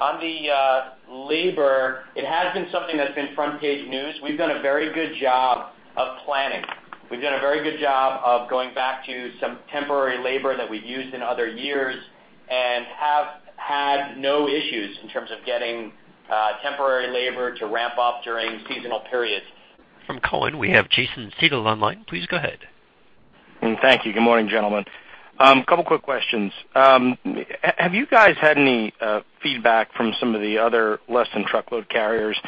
...On the labor, it has been something that's been front-page news. We've done a very good job of planning. We've done a very good job of going back to some temporary labor that we've used in other years and have had no issues in terms of getting temporary labor to ramp up during seasonal periods. From Cowen, we have Jason Seidl online. Please go ahead. Thank you. Good morning, gentlemen. A couple quick questions. Have you guys had any feedback from some of the other less-than-truckload carriers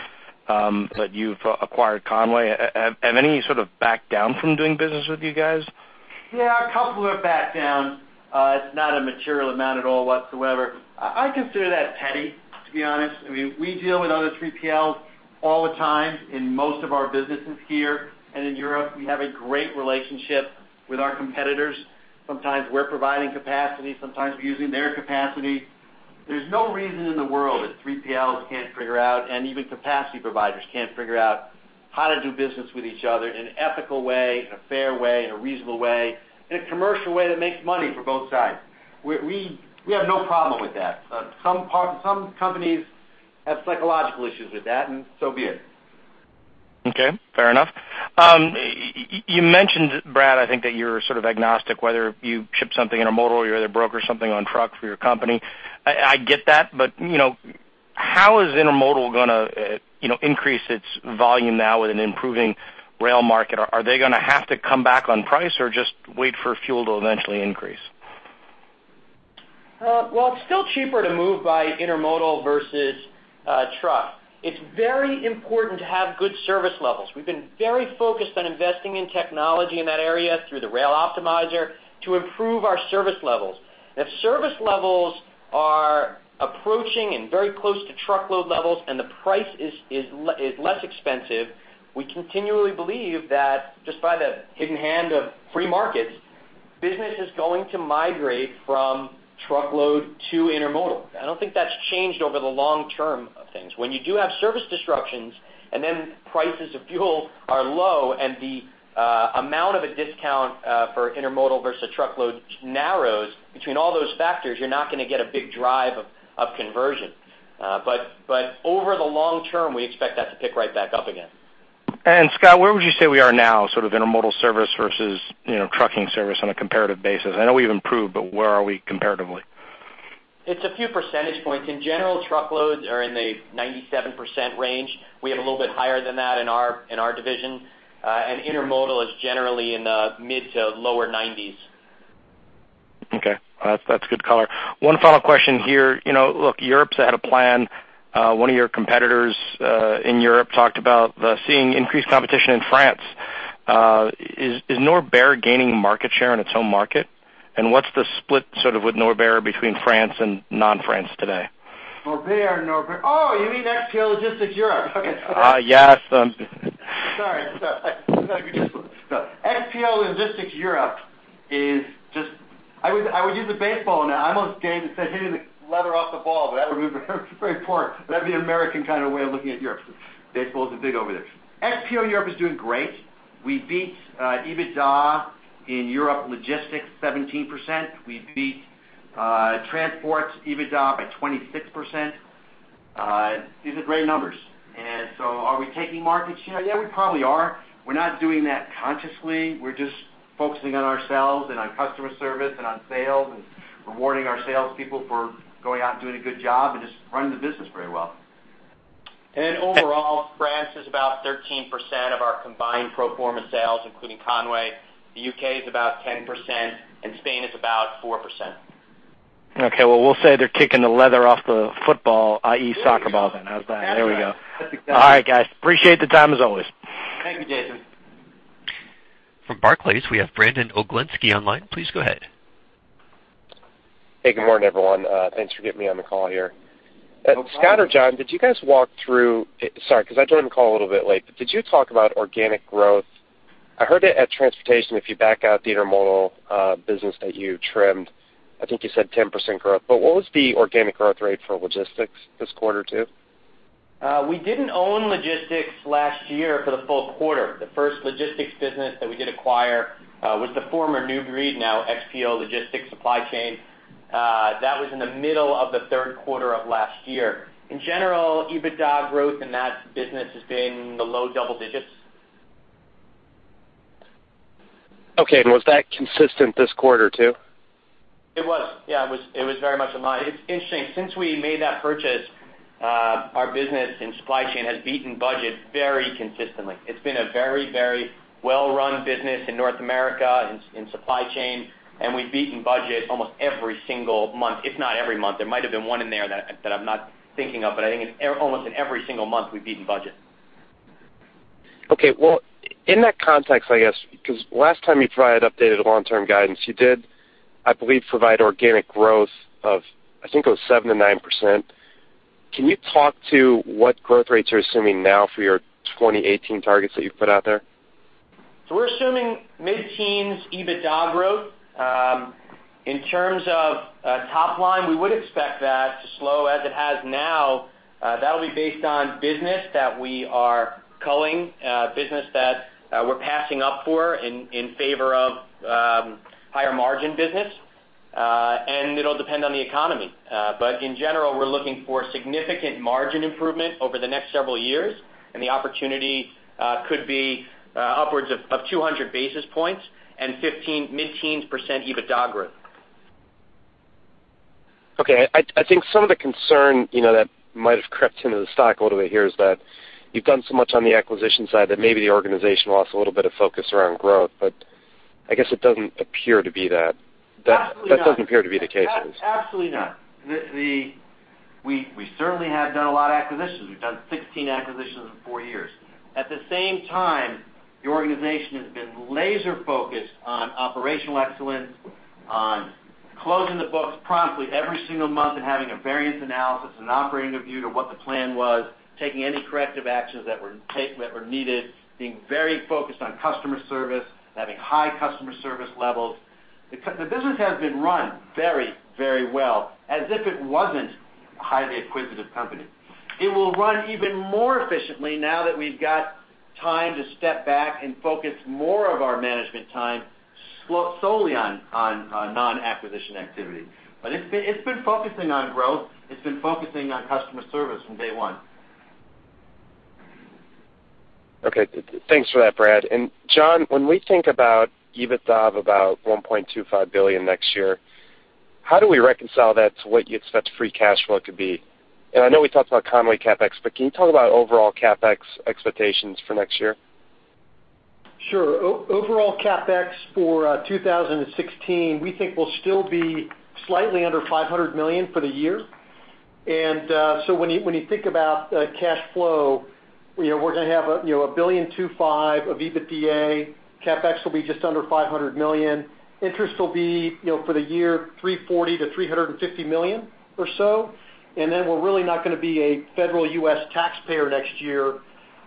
that you've acquired Con-way? Have any sort of backed down from doing business with you guys? Yeah, a couple have backed down. It's not a material amount at all, whatsoever. I consider that petty, to be honest. I mean, we deal with other 3PLs all the time in most of our businesses here and in Europe. We have a great relationship with our competitors. Sometimes we're providing capacity, sometimes we're using their capacity. There's no reason in the world that 3PLs can't figure out, and even capacity providers can't figure out, how to do business with each other in an ethical way, in a fair way, in a reasonable way, in a commercial way that makes money for both sides. We have no problem with that. Some companies have psychological issues with that, and so be it. Okay, fair enough. You mentioned, Brad, I think that you're sort of agnostic, whether you ship something intermodal or you either broker something on truck for your company. I get that, but, you know, how is intermodal gonna, you know, increase its volume now with an improving rail market? Are they gonna have to come back on price or just wait for fuel to eventually increase? Well, it's still cheaper to move by intermodal versus truck. It's very important to have good service levels. We've been very focused on investing in technology in that area through the Rail Optimizer to improve our service levels. If service levels are approaching and very close to truckload levels and the price is less expensive, we continually believe that just by the hidden hand of free markets, business is going to migrate from truckload to intermodal. I don't think that's changed over the long term of things. When you do have service disruptions and then prices of fuel are low and the amount of a discount for intermodal versus truckload narrows between all those factors, you're not gonna get a big drive of conversion. But over the long term, we expect that to pick right back up again. Scott, where would you say we are now, sort of intermodal service versus, you know, trucking service on a comparative basis? I know we've improved, but where are we comparatively? It's a few percentage points. In general, truckloads are in the 97% range. We have a little bit higher than that in our division. And intermodal is generally in the mid- to lower 90s. Okay. That's, that's a good color. One follow-up question here. You know, look, Europe's had a plan. One of your competitors in Europe talked about seeing increased competition in France. Is, is Norbert gaining market share in its home market? And what's the split, sort of, with Norbert between France and non-France today? Norbert, Norbert. Oh, you mean XPO Logistics Europe. Okay. Uh, yes. Sorry. Sorry. XPO Logistics Europe is just... I would, I would use the baseball, and I almost gave and said, hitting the leather off the ball, but that would be very, very poor. That'd be an American kind of way of looking at Europe. Baseball isn't big over there. XPO Europe is doing great. We beat EBITDA in Europe Logistics 17%. We beat transport EBITDA by 26%. These are great numbers. And so are we taking market share? Yeah, we probably are. We're not doing that consciously. We're just focusing on ourselves and on customer service and on sales and rewarding our salespeople for going out and doing a good job and just running the business very well. Overall, France is about 13% of our combined pro forma sales, including Con-way. The UK is about 10%, and Spain is about 4%. Okay, well, we'll say they're kicking the leather off the football, i.e., soccer ball then. There you go. How's that? There we go. That's exactly- All right, guys, appreciate the time, as always. Thank you, Jason. From Barclays, we have Brandon Oglenski online. Please go ahead. Hey, good morning, everyone. Thanks for getting me on the call here. No problem. Scott or John, did you guys walk through... Sorry, because I joined the call a little bit late. But did you talk about organic growth? I heard that at transportation, if you back out the intermodal business that you trimmed, I think you said 10% growth. But what was the organic growth rate for logistics this quarter, too? We didn't own logistics last year for the full quarter. The first logistics business that we did acquire was the former New Breed, now XPO Logistics Supply Chain. That was in the middle of the Q3 of last year. In general, EBITDA growth in that business has been in the low double digits. Okay, and was that consistent this quarter, too? It was. Yeah, it was, it was very much in line. It's interesting, since we made that purchase, our business in supply chain has beaten budget very consistently. It's been a very, very well-run business in North America, in supply chain, and we've beaten budget almost every single month, if not every month. There might have been one in there that I'm not thinking of, but I think almost in every single month, we've beaten budget. Okay, well, in that context, I guess, because last time you provided updated long-term guidance, you did, I believe, provide organic growth of, I think it was 7%-9%. Can you talk to what growth rates you're assuming now for your 2018 targets that you've put out there? So we're assuming mid-teens EBITDA growth. In terms of top line, we would expect that to slow as it has now. That'll be based on business that we are culling, business that we're passing up in favor of-... higher margin business, and it'll depend on the economy. But in general, we're looking for significant margin improvement over the next several years, and the opportunity could be upwards of 200 basis points and 15, mid-teens percent EBITDA growth. Okay. I, I think some of the concern, you know, that might have crept into the stock a little bit here is that you've done so much on the acquisition side that maybe the organization lost a little bit of focus around growth, but I guess it doesn't appear to be that. Absolutely not. That doesn't appear to be the case. Absolutely not. We certainly have done a lot of acquisitions. We've done 16 acquisitions in 4 years. At the same time, the organization has been laser-focused on operational excellence, on closing the books promptly every single month, and having a variance analysis and an operating review to what the plan was, taking any corrective actions that were needed, being very focused on customer service, and having high customer service levels. The business has been run very, very well, as if it wasn't a highly acquisitive company. It will run even more efficiently now that we've got time to step back and focus more of our management time solely on non-acquisition activity. But it's been focusing on growth. It's been focusing on customer service from day one. Okay. Thanks for that, Brad. And John, when we think about EBITDA of about $1.25 billion next year, how do we reconcile that to what you expect free cash flow to be? And I know we talked about Con-way CapEx, but can you talk about overall CapEx expectations for next year? Sure. Overall CapEx for 2016, we think will still be slightly under $500 million for the year. And so when you think about cash flow, you know, we're gonna have a, you know, $1.25 billion of EBITDA. CapEx will be just under $500 million. Interest will be, you know, for the year, $340-$350 million or so. And then we're really not gonna be a federal U.S. taxpayer next year,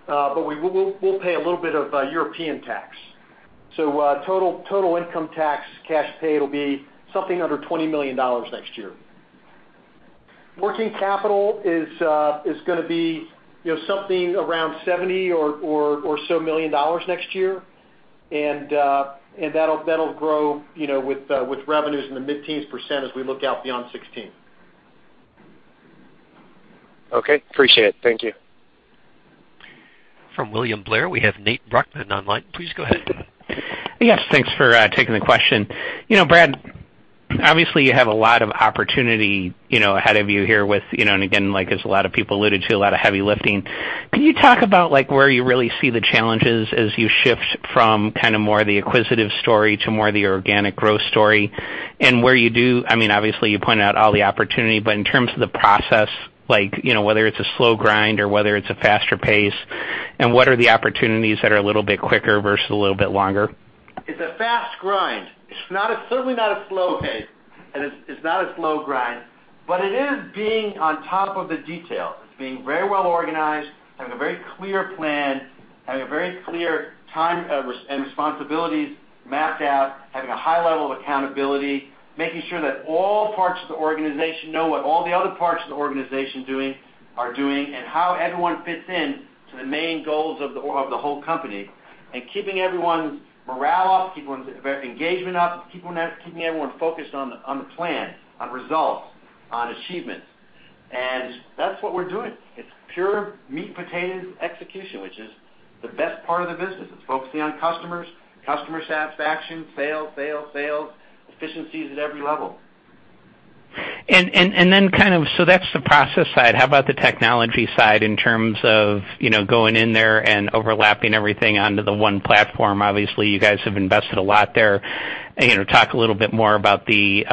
but we'll pay a little bit of European tax. So total income tax, cash paid will be something under $20 million next year. Working capital is gonna be, you know, something around $70 million or so next year. And that'll grow, you know, with revenues in the mid-teens% as we look out beyond 2016. Okay, appreciate it. Thank you. From William Blair, we have Nate Brochmann online. Please go ahead. Yes, thanks for taking the question. You know, Brad, obviously, you have a lot of opportunity, you know, ahead of you here with, you know, and again, like as a lot of people alluded to, a lot of heavy lifting. Can you talk about, like, where you really see the challenges as you shift from kind of more the acquisitive story to more the organic growth story? And where you do... I mean, obviously, you pointed out all the opportunity, but in terms of the process, like, you know, whether it's a slow grind or whether it's a faster pace, and what are the opportunities that are a little bit quicker versus a little bit longer? It's a fast grind. It's not a certainly not a slow pace, and it's not a slow grind, but it is being on top of the details. It's being very well organized, having a very clear plan, having a very clear time and responsibilities mapped out, having a high level of accountability, making sure that all parts of the organization know what all the other parts of the organization doing, are doing, and how everyone fits in to the main goals of the or- of the whole company, and keeping everyone's morale up, keeping everyone's engagement up, keeping everyone focused on the, on the plan, on results, on achievements. And that's what we're doing. It's pure meat, potatoes, execution, which is the best part of the business. It's focusing on customers, customer satisfaction, sales, sales, sales, efficiencies at every level. And then kind of, so that's the process side. How about the technology side in terms of, you know, going in there and overlapping everything onto the one platform? Obviously, you guys have invested a lot there. You know, talk a little bit more about the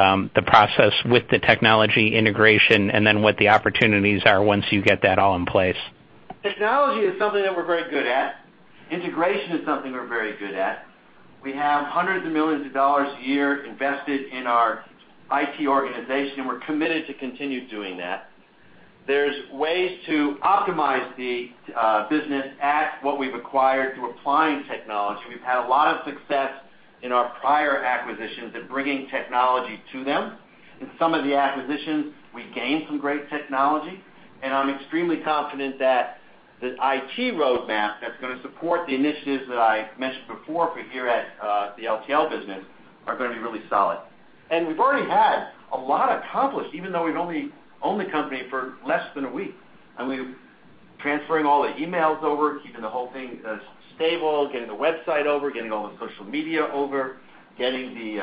process with the technology integration and then what the opportunities are once you get that all in place. Technology is something that we're very good at. Integration is something we're very good at. We have hundreds of millions of dollars a year invested in our IT organization, and we're committed to continue doing that. There's ways to optimize the business at what we've acquired through applying technology. We've had a lot of success in our prior acquisitions in bringing technology to them. In some of the acquisitions, we gained some great technology, and I'm extremely confident that the IT roadmap that's gonna support the initiatives that I mentioned before for here at the LTL business are gonna be really solid. We've already had a lot accomplished, even though we've only owned the company for less than a week. I mean, transferring all the emails over, keeping the whole thing, stable, getting the website over, getting all the social media over, getting the,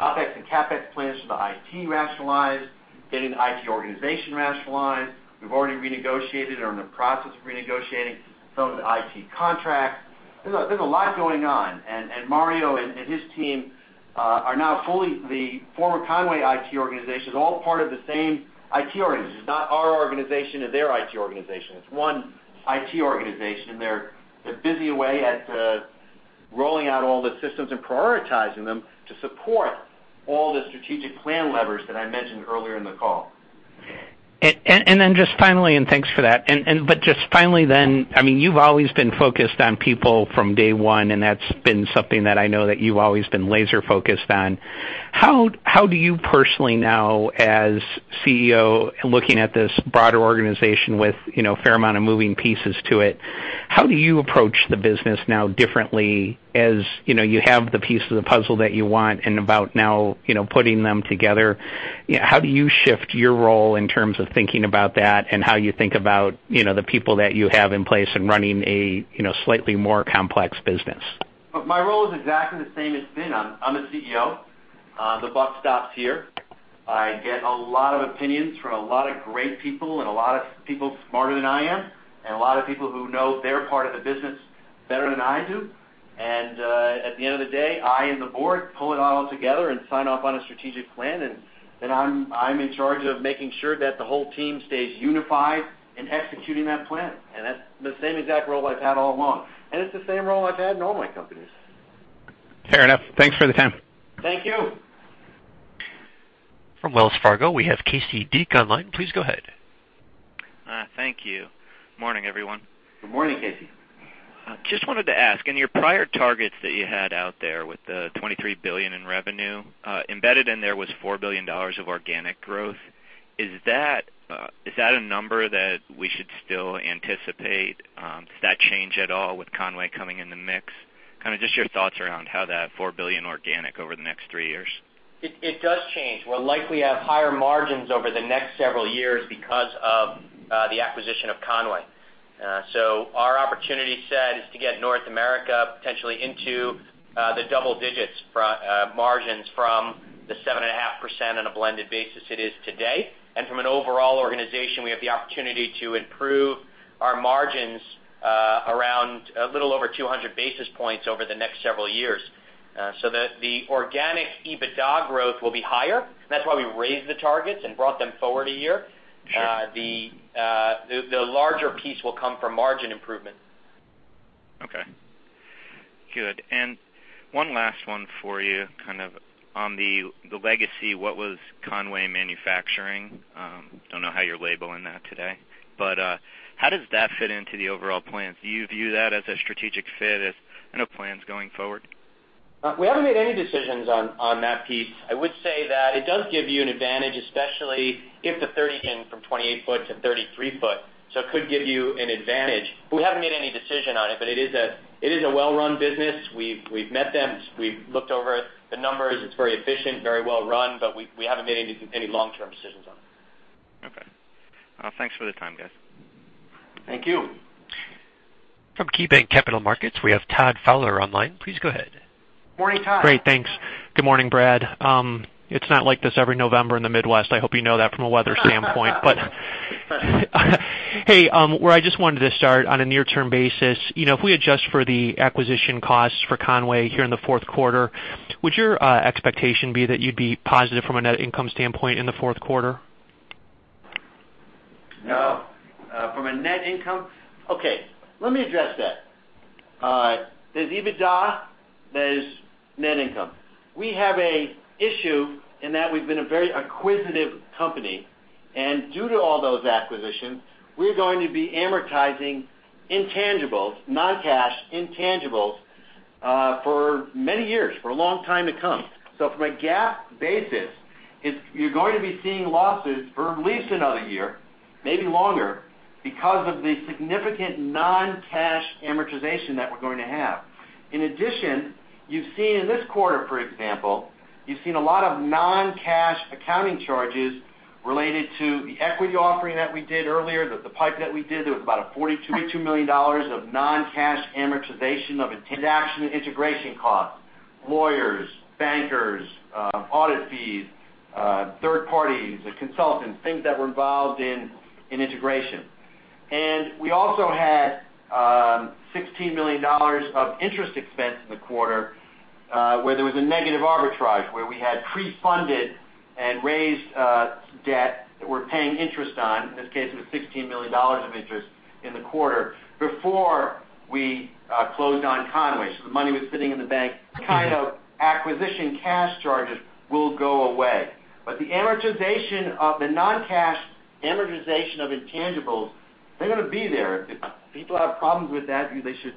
OpEx and CapEx plans for the IT rationalized, getting the IT organization rationalized. We've already renegotiated or are in the process of renegotiating some of the IT contracts. There's a lot going on, and Mario and his team are now fully the former Con-way IT organization, all part of the same IT organization. It's not our organization and their IT organization. It's one IT organization. They're the busy way at, rolling out all the systems and prioritizing them to support all the strategic plan levers that I mentioned earlier in the call. And then just finally, thanks for that. But just finally then, I mean, you've always been focused on people from day one, and that's been something that I know that you've always been laser focused on. How do you personally now as CEO, looking at this broader organization with, you know, a fair amount of moving pieces to it, how do you approach the business now differently, as you know, you have the piece of the puzzle that you want and now, you know, putting them together? How do you shift your role in terms of thinking about that and how you think about, you know, the people that you have in place and running a, you know, slightly more complex business? Look, my role is exactly the same as it's been. I'm a CEO. The buck stops here. I get a lot of opinions from a lot of great people and a lot of people smarter than I am, and a lot of people who know their part of the business better than I do. At the end of the day, I and the board pull it all together and sign off on a strategic plan, and then I'm in charge of making sure that the whole team stays unified in executing that plan. That's the same exact role I've had all along, and it's the same role I've had in all my companies. Fair enough. Thanks for the time. Thank you. From Wells Fargo, we have Casey Deak online. Please go ahead. Thank you. Morning, everyone. Good morning, Casey. Just wanted to ask, in your prior targets that you had out there with the $23 billion in revenue, embedded in there was $4 billion of organic growth. Is that a number that we should still anticipate? Does that change at all with Con-way coming in the mix? Kind of just your thoughts around how that $4 billion organic over the next three years. It does change. We'll likely have higher margins over the next several years because of the acquisition of Conway. So our opportunity set is to get North America potentially into the double digits from the 7.5% on a blended basis it is today. From an overall organization, we have the opportunity to improve our margins around a little over 200 basis points over the next several years. The organic EBITDA growth will be higher. That's why we raised the targets and brought them forward a year. The larger piece will come from margin improvement. Okay. Good. And one last one for you, kind of on the legacy, what was Con-way Manufacturing? Don't know how you're labeling that today, but, how does that fit into the overall plan? Do you view that as a strategic fit, as, you know, plans going forward? We haven't made any decisions on that piece. I would say that it does give you an advantage, especially if the shift from 28-foot to 33-foot, so it could give you an advantage. We haven't made any decision on it, but it is a well-run business. We've met them, we've looked over the numbers. It's very efficient, very well run, but we haven't made any long-term decisions on it. Okay. Thanks for the time, guys. Thank you. From KeyBanc Capital Markets, we have Todd Fowler online. Please go ahead. Morning, Todd. Great, thanks. Good morning, Brad. It's not like this every November in the Midwest. I hope you know that from a weather standpoint. But, hey, where I just wanted to start on a near-term basis, you know, if we adjust for the acquisition costs for Con-way here in the Q4, would your expectation be that you'd be positive from a net income standpoint in the Q4? No, from a net income? Okay, let me address that. There's EBITDA, there's net income. We have a issue in that we've been a very acquisitive company, and due to all those acquisitions, we're going to be amortizing intangibles, non-cash intangibles, for many years, for a long time to come. So from a GAAP basis, it's. You're going to be seeing losses for at least another year, maybe longer, because of the significant non-cash amortization that we're going to have. In addition, you've seen in this quarter, for example, you've seen a lot of non-cash accounting charges related to the equity offering that we did earlier, the PIPE that we did. There was about $42 million of non-cash amortization of a transaction and integration costs, lawyers, bankers, audit fees, third parties, the consultants, things that were involved in integration. And we also had $16 million of interest expense in the quarter, where there was a negative arbitrage, where we had pre-funded and raised debt that we're paying interest on. In this case, it was $16 million of interest in the quarter before we closed on Con-way. So the money was sitting in the bank. Those kind of acquisition cash charges will go away. But the amortization of the non-cash amortization of intangibles, they're gonna be there. If people have problems with that, they should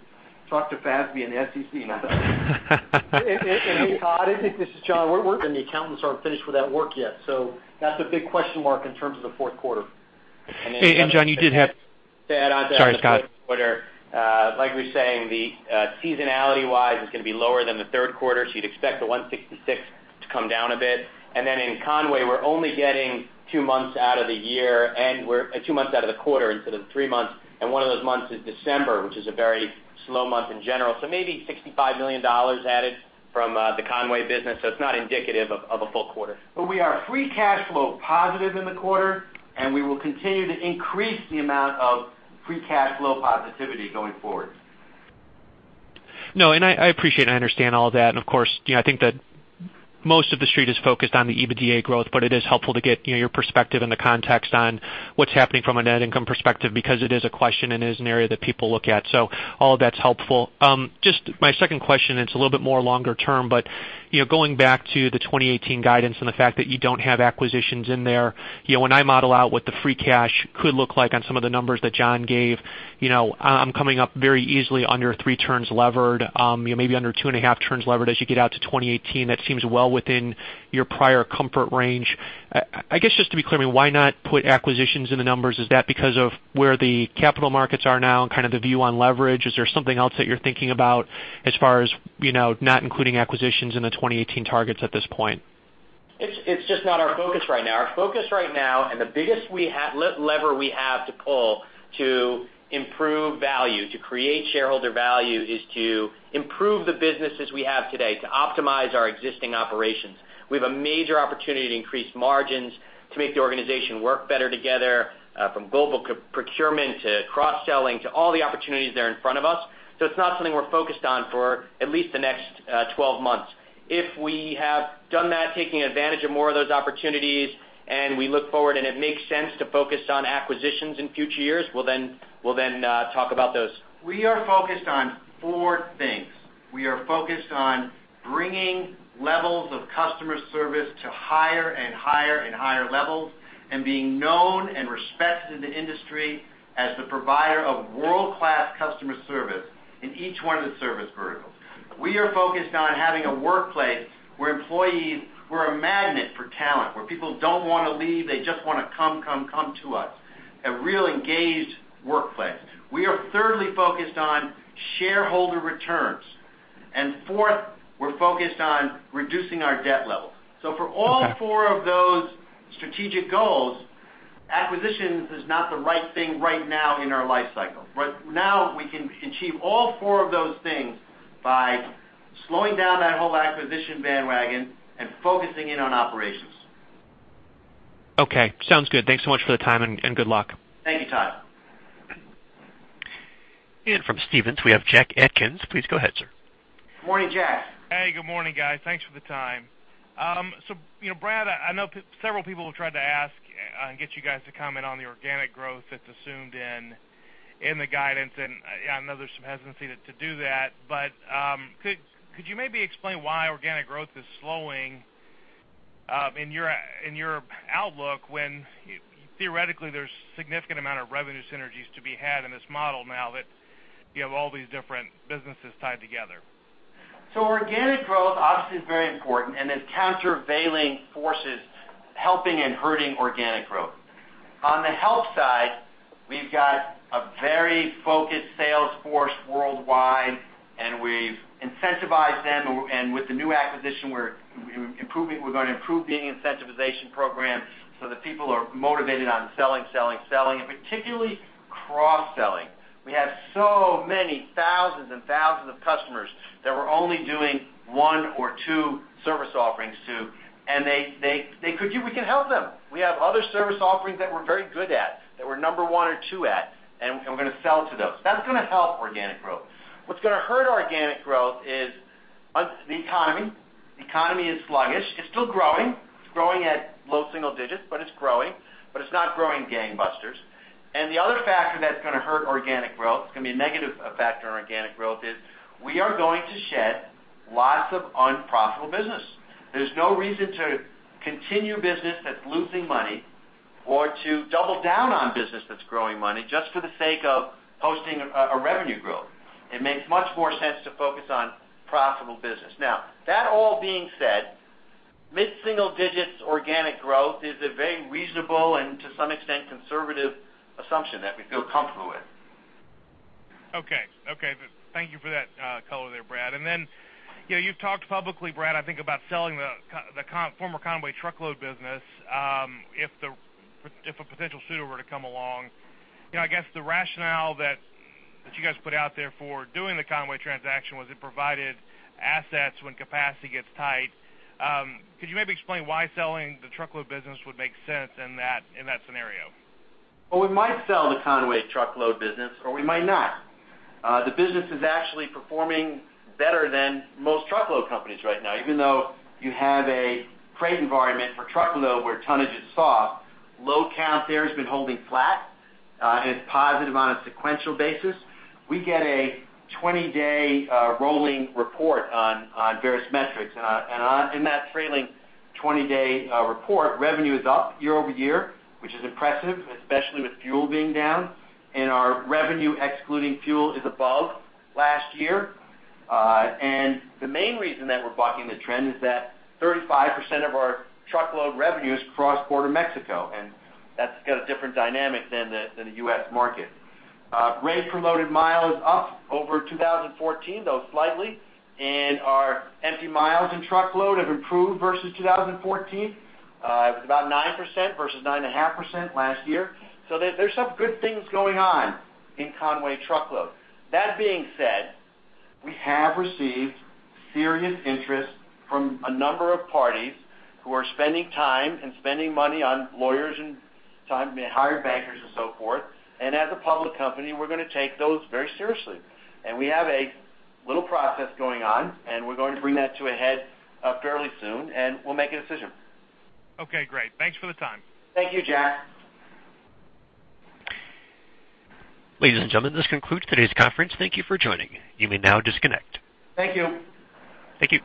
talk to FASB and the SEC. Hey, Todd, this is John. We're and the accountants aren't finished with that work yet, so that's a big question mark in terms of the Q4. John, you did have- To add on to that- Sorry, Scott. Like we were saying, the seasonality-wise, it's gonna be lower than the Q3, so you'd expect the 166 to come down a bit. And then in Con-way, we're only getting two months out of the year, and we're two months out of the quarter instead of three months, and one of those months is December, which is a very slow month in general. So maybe $65 million added from the Con-way business, so it's not indicative of a full quarter. We are free cash flow positive in the quarter, and we will continue to increase the amount of free cash flow positivity going forward. No, and I, I appreciate and I understand all that. Of course, you know, I think that most of the Street is focused on the EBITDA growth, but it is helpful to get, you know, your perspective and the context on what's happening from a net income perspective, because it is a question and it is an area that people look at. All of that's helpful. Just my second question, it's a little bit more longer term, but, you know, going back to the 2018 guidance and the fact that you don't have acquisitions in there, you know, when I model out what the free cash could look like on some of the numbers that John gave, you know, I'm coming up very easily under 3 turns levered, you know, maybe under 2.5 turns levered as you get out to 2018. That seems well within your prior comfort range. I guess, just to be clear, I mean, why not put acquisitions in the numbers? Is that because of where the capital markets are now and kind of the view on leverage? Is there something else that you're thinking about as far as, you know, not including acquisitions in the 2018 targets at this point?... It's, it's just not our focus right now. Our focus right now, and the biggest lever we have to pull to improve value, to create shareholder value, is to improve the businesses we have today, to optimize our existing operations. We have a major opportunity to increase margins, to make the organization work better together, from global procurement, to cross-selling, to all the opportunities that are in front of us. So it's not something we're focused on for at least the next 12 months. If we have done that, taking advantage of more of those opportunities, and we look forward, and it makes sense to focus on acquisitions in future years, we'll then, we'll then, talk about those. We are focused on four things. We are focused on bringing levels of customer service to higher and higher and higher levels, and being known and respected in the industry as the provider of world-class customer service in each one of the service verticals. We are focused on having a workplace where employees, we're a magnet for talent, where people don't want to leave, they just want to come, come, come to us. A real engaged workplace. We are thirdly focused on shareholder returns, and fourth, we're focused on reducing our debt level. So for all four of those strategic goals, acquisitions is not the right thing right now in our life cycle. Right now, we can achieve all four of those things by slowing down that whole acquisition bandwagon and focusing in on operations. Okay, sounds good. Thanks so much for the time, and good luck. Thank you, Todd. From Stephens, we have Jack Atkins. Please go ahead, sir. Morning, Jack. Hey, good morning, guys. Thanks for the time. So, you know, Brad, I know several people have tried to ask and get you guys to comment on the organic growth that's assumed in the guidance, and I know there's some hesitancy to do that. But, could you maybe explain why organic growth is slowing in your outlook, when theoretically, there's significant amount of revenue synergies to be had in this model now that you have all these different businesses tied together? So organic growth, obviously, is very important, and there's countervailing forces helping and hurting organic growth. On the help side, we've got a very focused sales force worldwide, and we've incentivized them, and with the new acquisition, we're improving, we're going to improve the incentivization program so that people are motivated on selling, selling, selling, and particularly cross-selling. We have so many thousands and thousands of customers that we're only doing one or two service offerings to, and they, they, they could use... We can help them. We have other service offerings that we're very good at, that we're number one or two at, and we're going to sell to those. That's going to help organic growth. What's going to hurt organic growth is on the economy. The economy is sluggish. It's still growing. It's growing at low single digits, but it's growing, but it's not growing gangbusters. The other factor that's going to hurt organic growth, it's going to be a negative factor in organic growth, is we are going to shed lots of unprofitable business. There's no reason to continue business that's losing money or to double down on business that's growing money, just for the sake of posting a, a revenue growth. It makes much more sense to focus on profitable business. Now, that all being said, mid-single digits organic growth is a very reasonable and to some extent, conservative assumption that we feel comfortable with. Okay. Okay, thank you for that, color there, Brad. And then, you know, you've talked publicly, Brad, I think about selling the Con-way Truckload business, if a potential suitor were to come along. You know, I guess the rationale that you guys put out there for doing the Con-way transaction was it provided assets when capacity gets tight. Could you maybe explain why selling the truckload business would make sense in that scenario? Well, we might sell the Con-way Truckload business, or we might not. The business is actually performing better than most truckload companies right now. Even though you have a freight environment for truckload, where tonnage is soft, load count there has been holding flat, and it's positive on a sequential basis. We get a 20-day rolling report on various metrics. And in that trailing 20-day report, revenue is up year-over-year, which is impressive, especially with fuel being down, and our revenue, excluding fuel, is above last year. And the main reason that we're bucking the trend is that 35% of our truckload revenue is cross-border Mexico, and that's got a different dynamic than the U.S. market. Rate per loaded miles up over 2014, though slightly, and our empty miles in truckload have improved versus 2014. It was about 9% versus 9.5% last year. So there, there's some good things going on in Con-way Truckload. That being said, we have received serious interest from a number of parties who are spending time and spending money on lawyers and time, hired bankers and so forth. And as a public company, we're going to take those very seriously. And we have a little process going on, and we're going to bring that to a head, fairly soon, and we'll make a decision. Okay, great. Thanks for the time. Thank you, Jack. Ladies and gentlemen, this concludes today's conference. Thank you for joining. You may now disconnect. Thank you. Thank you.